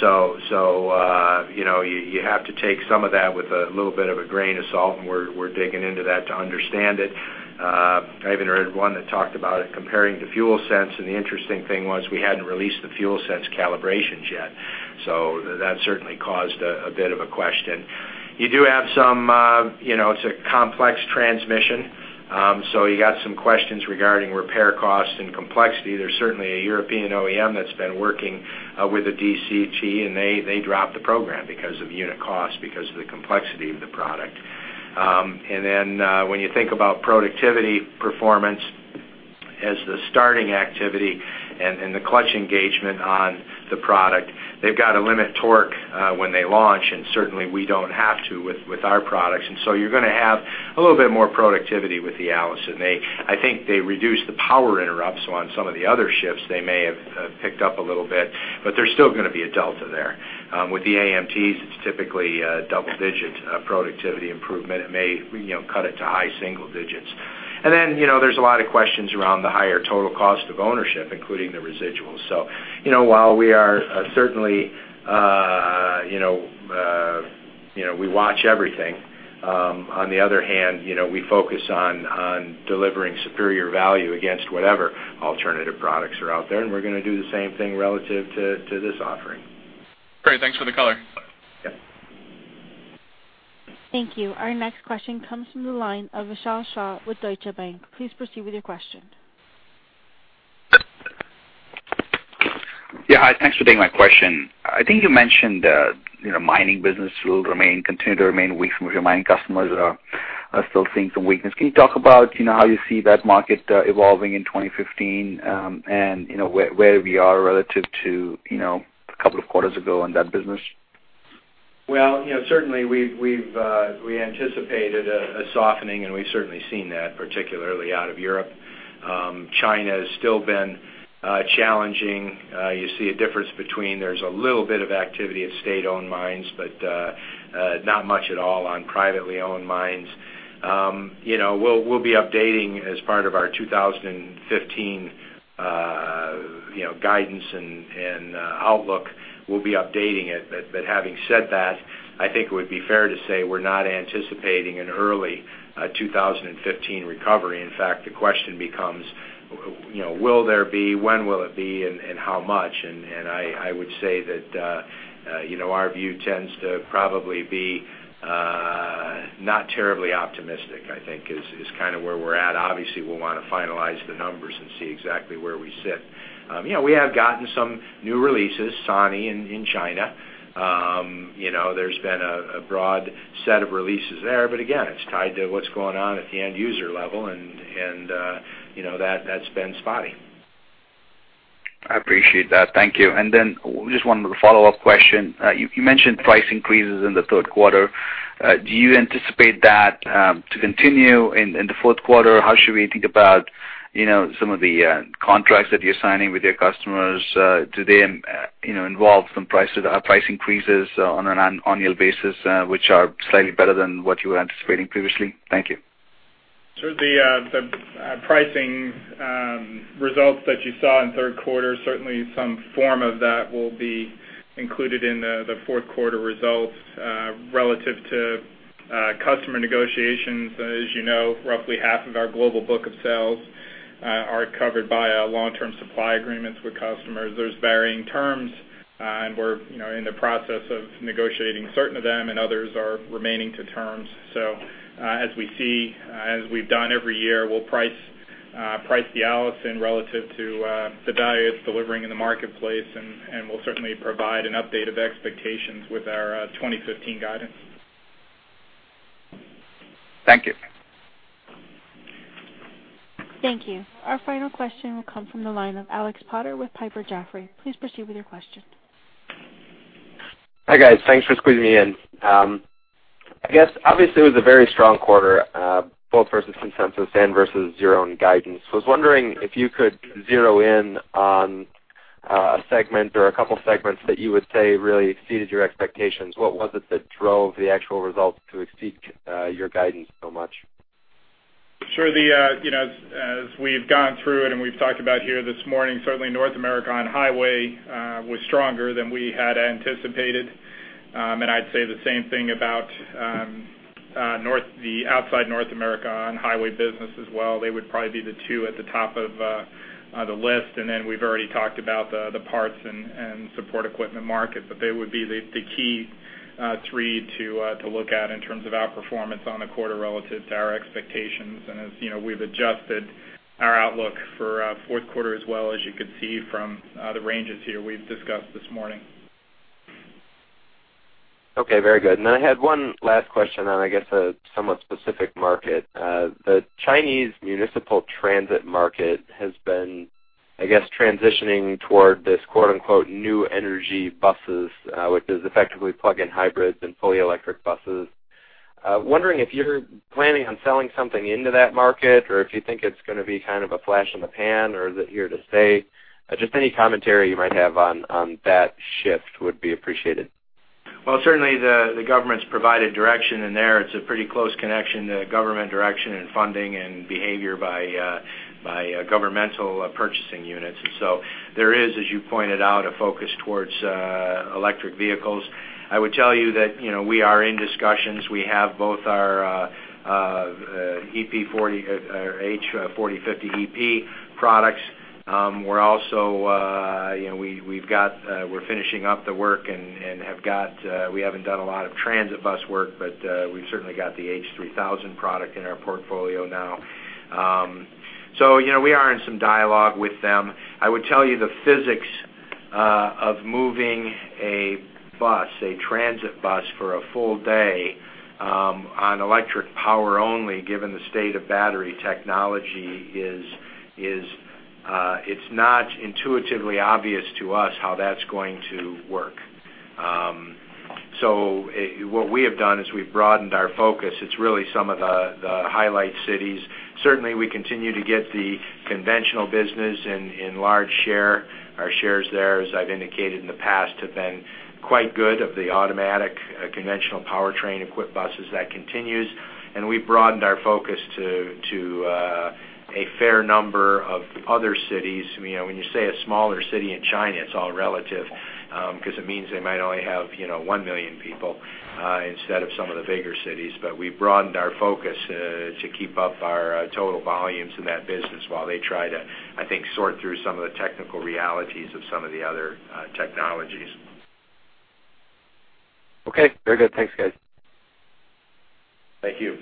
[SPEAKER 3] So, you know, you have to take some of that with a little bit of a grain of salt, and we're digging into that to understand it. I even heard one that talked about it comparing to FuelSense, and the interesting thing was we hadn't released the FuelSense calibrations yet. So that certainly caused a bit of a question. You do have some, you know, it's a complex transmission, so you got some questions regarding repair costs and complexity. There's certainly a European OEM that's been working with a DCT, and they dropped the program because of unit cost, because of the complexity of the product. And then, when you think about productivity performance as the starting activity and the clutch engagement on the product, they've got to limit torque when they launch, and certainly, we don't have to with our products. And so you're gonna have a little bit more productivity with the Allison. They—I think they reduced the power interrupts on some of the other shifts. They may have picked up a little bit, but there's still gonna be a delta there. With the AMTs, it's typically a double-digit productivity improvement. It may, you know, cut it to high single digits. And then, you know, there's a lot of questions around the higher total cost of ownership, including the residuals. So, you know, while we are certainly, you know, we watch everything, on the other hand, you know, we focus on delivering superior value against whatever alternative products are out there, and we're gonna do the same thing relative to this offering.
[SPEAKER 2] Great, thanks for the color.
[SPEAKER 3] Okay.
[SPEAKER 1] Thank you. Our next question comes from the line of Vishal Shah with Deutsche Bank. Please proceed with your question.
[SPEAKER 13] Yeah, hi. Thanks for taking my question. I think you mentioned, you know, mining business will remain, continue to remain weak, with your mining customers are still seeing some weakness. Can you talk about, you know, how you see that market evolving in 2015, and, you know, where we are relative to, you know, a couple of quarters ago on that business?
[SPEAKER 3] Well, you know, certainly we've anticipated a softening, and we've certainly seen that, particularly out of Europe. China has still been challenging. You see a difference between there's a little bit of activity at state-owned mines, but not much at all on privately-owned mines. You know, we'll be updating as part of our 2015 guidance and outlook. We'll be updating it. But having said that, I think it would be fair to say we're not anticipating an early 2015 recovery. In fact, the question becomes, you know, will there be, when will it be, and how much? And I would say that you know, our view tends to probably be not terribly optimistic, I think, is kind of where we're at. Obviously, we'll want to finalize the numbers and see exactly where we sit. You know, we have gotten some new releases, SANY in China. You know, there's been a broad set of releases there, but again, it's tied to what's going on at the end user level, and you know, that's been spotty.
[SPEAKER 13] I appreciate that. Thank you. And then just one follow-up question. You mentioned price increases in the third quarter. Do you anticipate that to continue in the fourth quarter? How should we think about, you know, some of the contracts that you're signing with your customers, do they, you know, involve some prices, price increases on an annual basis, which are slightly better than what you were anticipating previously? Thank you.
[SPEAKER 2] Sure, the pricing results that you saw in third quarter, certainly some form of that will be included in the fourth quarter results. Relative to customer negotiations, as you know, roughly half of our global book of sales are covered by long-term supply agreements with customers. There's varying terms, and we're, you know, in the process of negotiating certain of them, and others are remaining to terms. So, as we see, as we've done every year, we'll price the Allison relative to the value it's delivering in the marketplace, and we'll certainly provide an update of expectations with our 2015 guidance.
[SPEAKER 13] Thank you.
[SPEAKER 1] Thank you. Our final question will come from the line of Alex Potter with Piper Jaffray. Please proceed with your question.
[SPEAKER 14] Hi, guys. Thanks for squeezing me in. I guess, obviously, it was a very strong quarter, both versus consensus and versus your own guidance. So I was wondering if you could zero in on, a segment or a couple segments that you would say really exceeded your expectations. What was it that drove the actual results to exceed, your guidance so much?
[SPEAKER 2] Sure, you know, as we've gone through it and we've talked about here this morning, certainly North America on-highway was stronger than we had anticipated. And I'd say the same thing about the outside North America on-highway business as well. They would probably be the two at the top of the list. And then we've already talked about the parts and support equipment market, but they would be the key three to look at in terms of outperformance on the quarter relative to our expectations. And as you know, we've adjusted our outlook for fourth quarter as well, as you can see from the ranges here we've discussed this morning....
[SPEAKER 14] Okay, very good. And then I had one last question on, I guess, a somewhat specific market. The Chinese municipal transit market has been, I guess, transitioning toward this, quote, unquote, "new energy buses," which is effectively plug-in hybrids and fully electric buses. Wondering if you're planning on selling something into that market or if you think it's gonna be kind of a flash in the pan, or is it here to stay? Just any commentary you might have on, on that shift would be appreciated.
[SPEAKER 3] Well, certainly the government's provided direction in there. It's a pretty close connection to government direction and funding and behavior by governmental purchasing units. And so there is, as you pointed out, a focus towards electric vehicles. I would tell you that, you know, we are in discussions. We have both our EP 40 or H 40/50 EP products. We're also, you know, we've got, we're finishing up the work and have got, we haven't done a lot of transit bus work, but we've certainly got the H 3000 product in our portfolio now. So, you know, we are in some dialogue with them. I would tell you the physics of moving a bus, a transit bus, for a full day on electric power only, given the state of battery technology, is. It's not intuitively obvious to us how that's going to work. So what we have done is we've broadened our focus. It's really some of the highlight cities. Certainly, we continue to get the conventional business in large share. Our shares there, as I've indicated in the past, have been quite good of the automatic, conventional powertrain-equipped buses. That continues, and we've broadened our focus to a fair number of other cities. You know, when you say a smaller city in China, it's all relative because it means they might only have, you know, 1 million people instead of some of the bigger cities. But we've broadened our focus to keep up our total volumes in that business while they try to, I think, sort through some of the technical realities of some of the other technologies.
[SPEAKER 14] Okay, very good. Thanks, guys.
[SPEAKER 3] Thank you.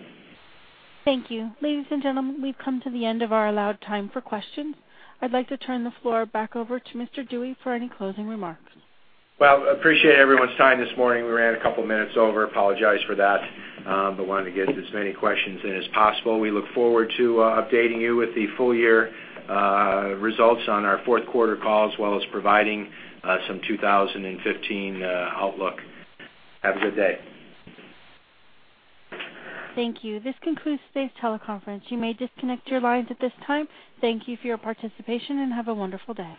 [SPEAKER 1] Thank you. Ladies and gentlemen, we've come to the end of our allowed time for questions. I'd like to turn the floor back over to Mr. Dewey for any closing remarks.
[SPEAKER 3] Well, appreciate everyone's time this morning. We ran a couple of minutes over. Apologize for that, but wanted to get as many questions in as possible. We look forward to updating you with the full year results on our fourth quarter call, as well as providing some 2015 outlook. Have a good day.
[SPEAKER 1] Thank you. This concludes today's teleconference. You may disconnect your lines at this time. Thank you for your participation, and have a wonderful day.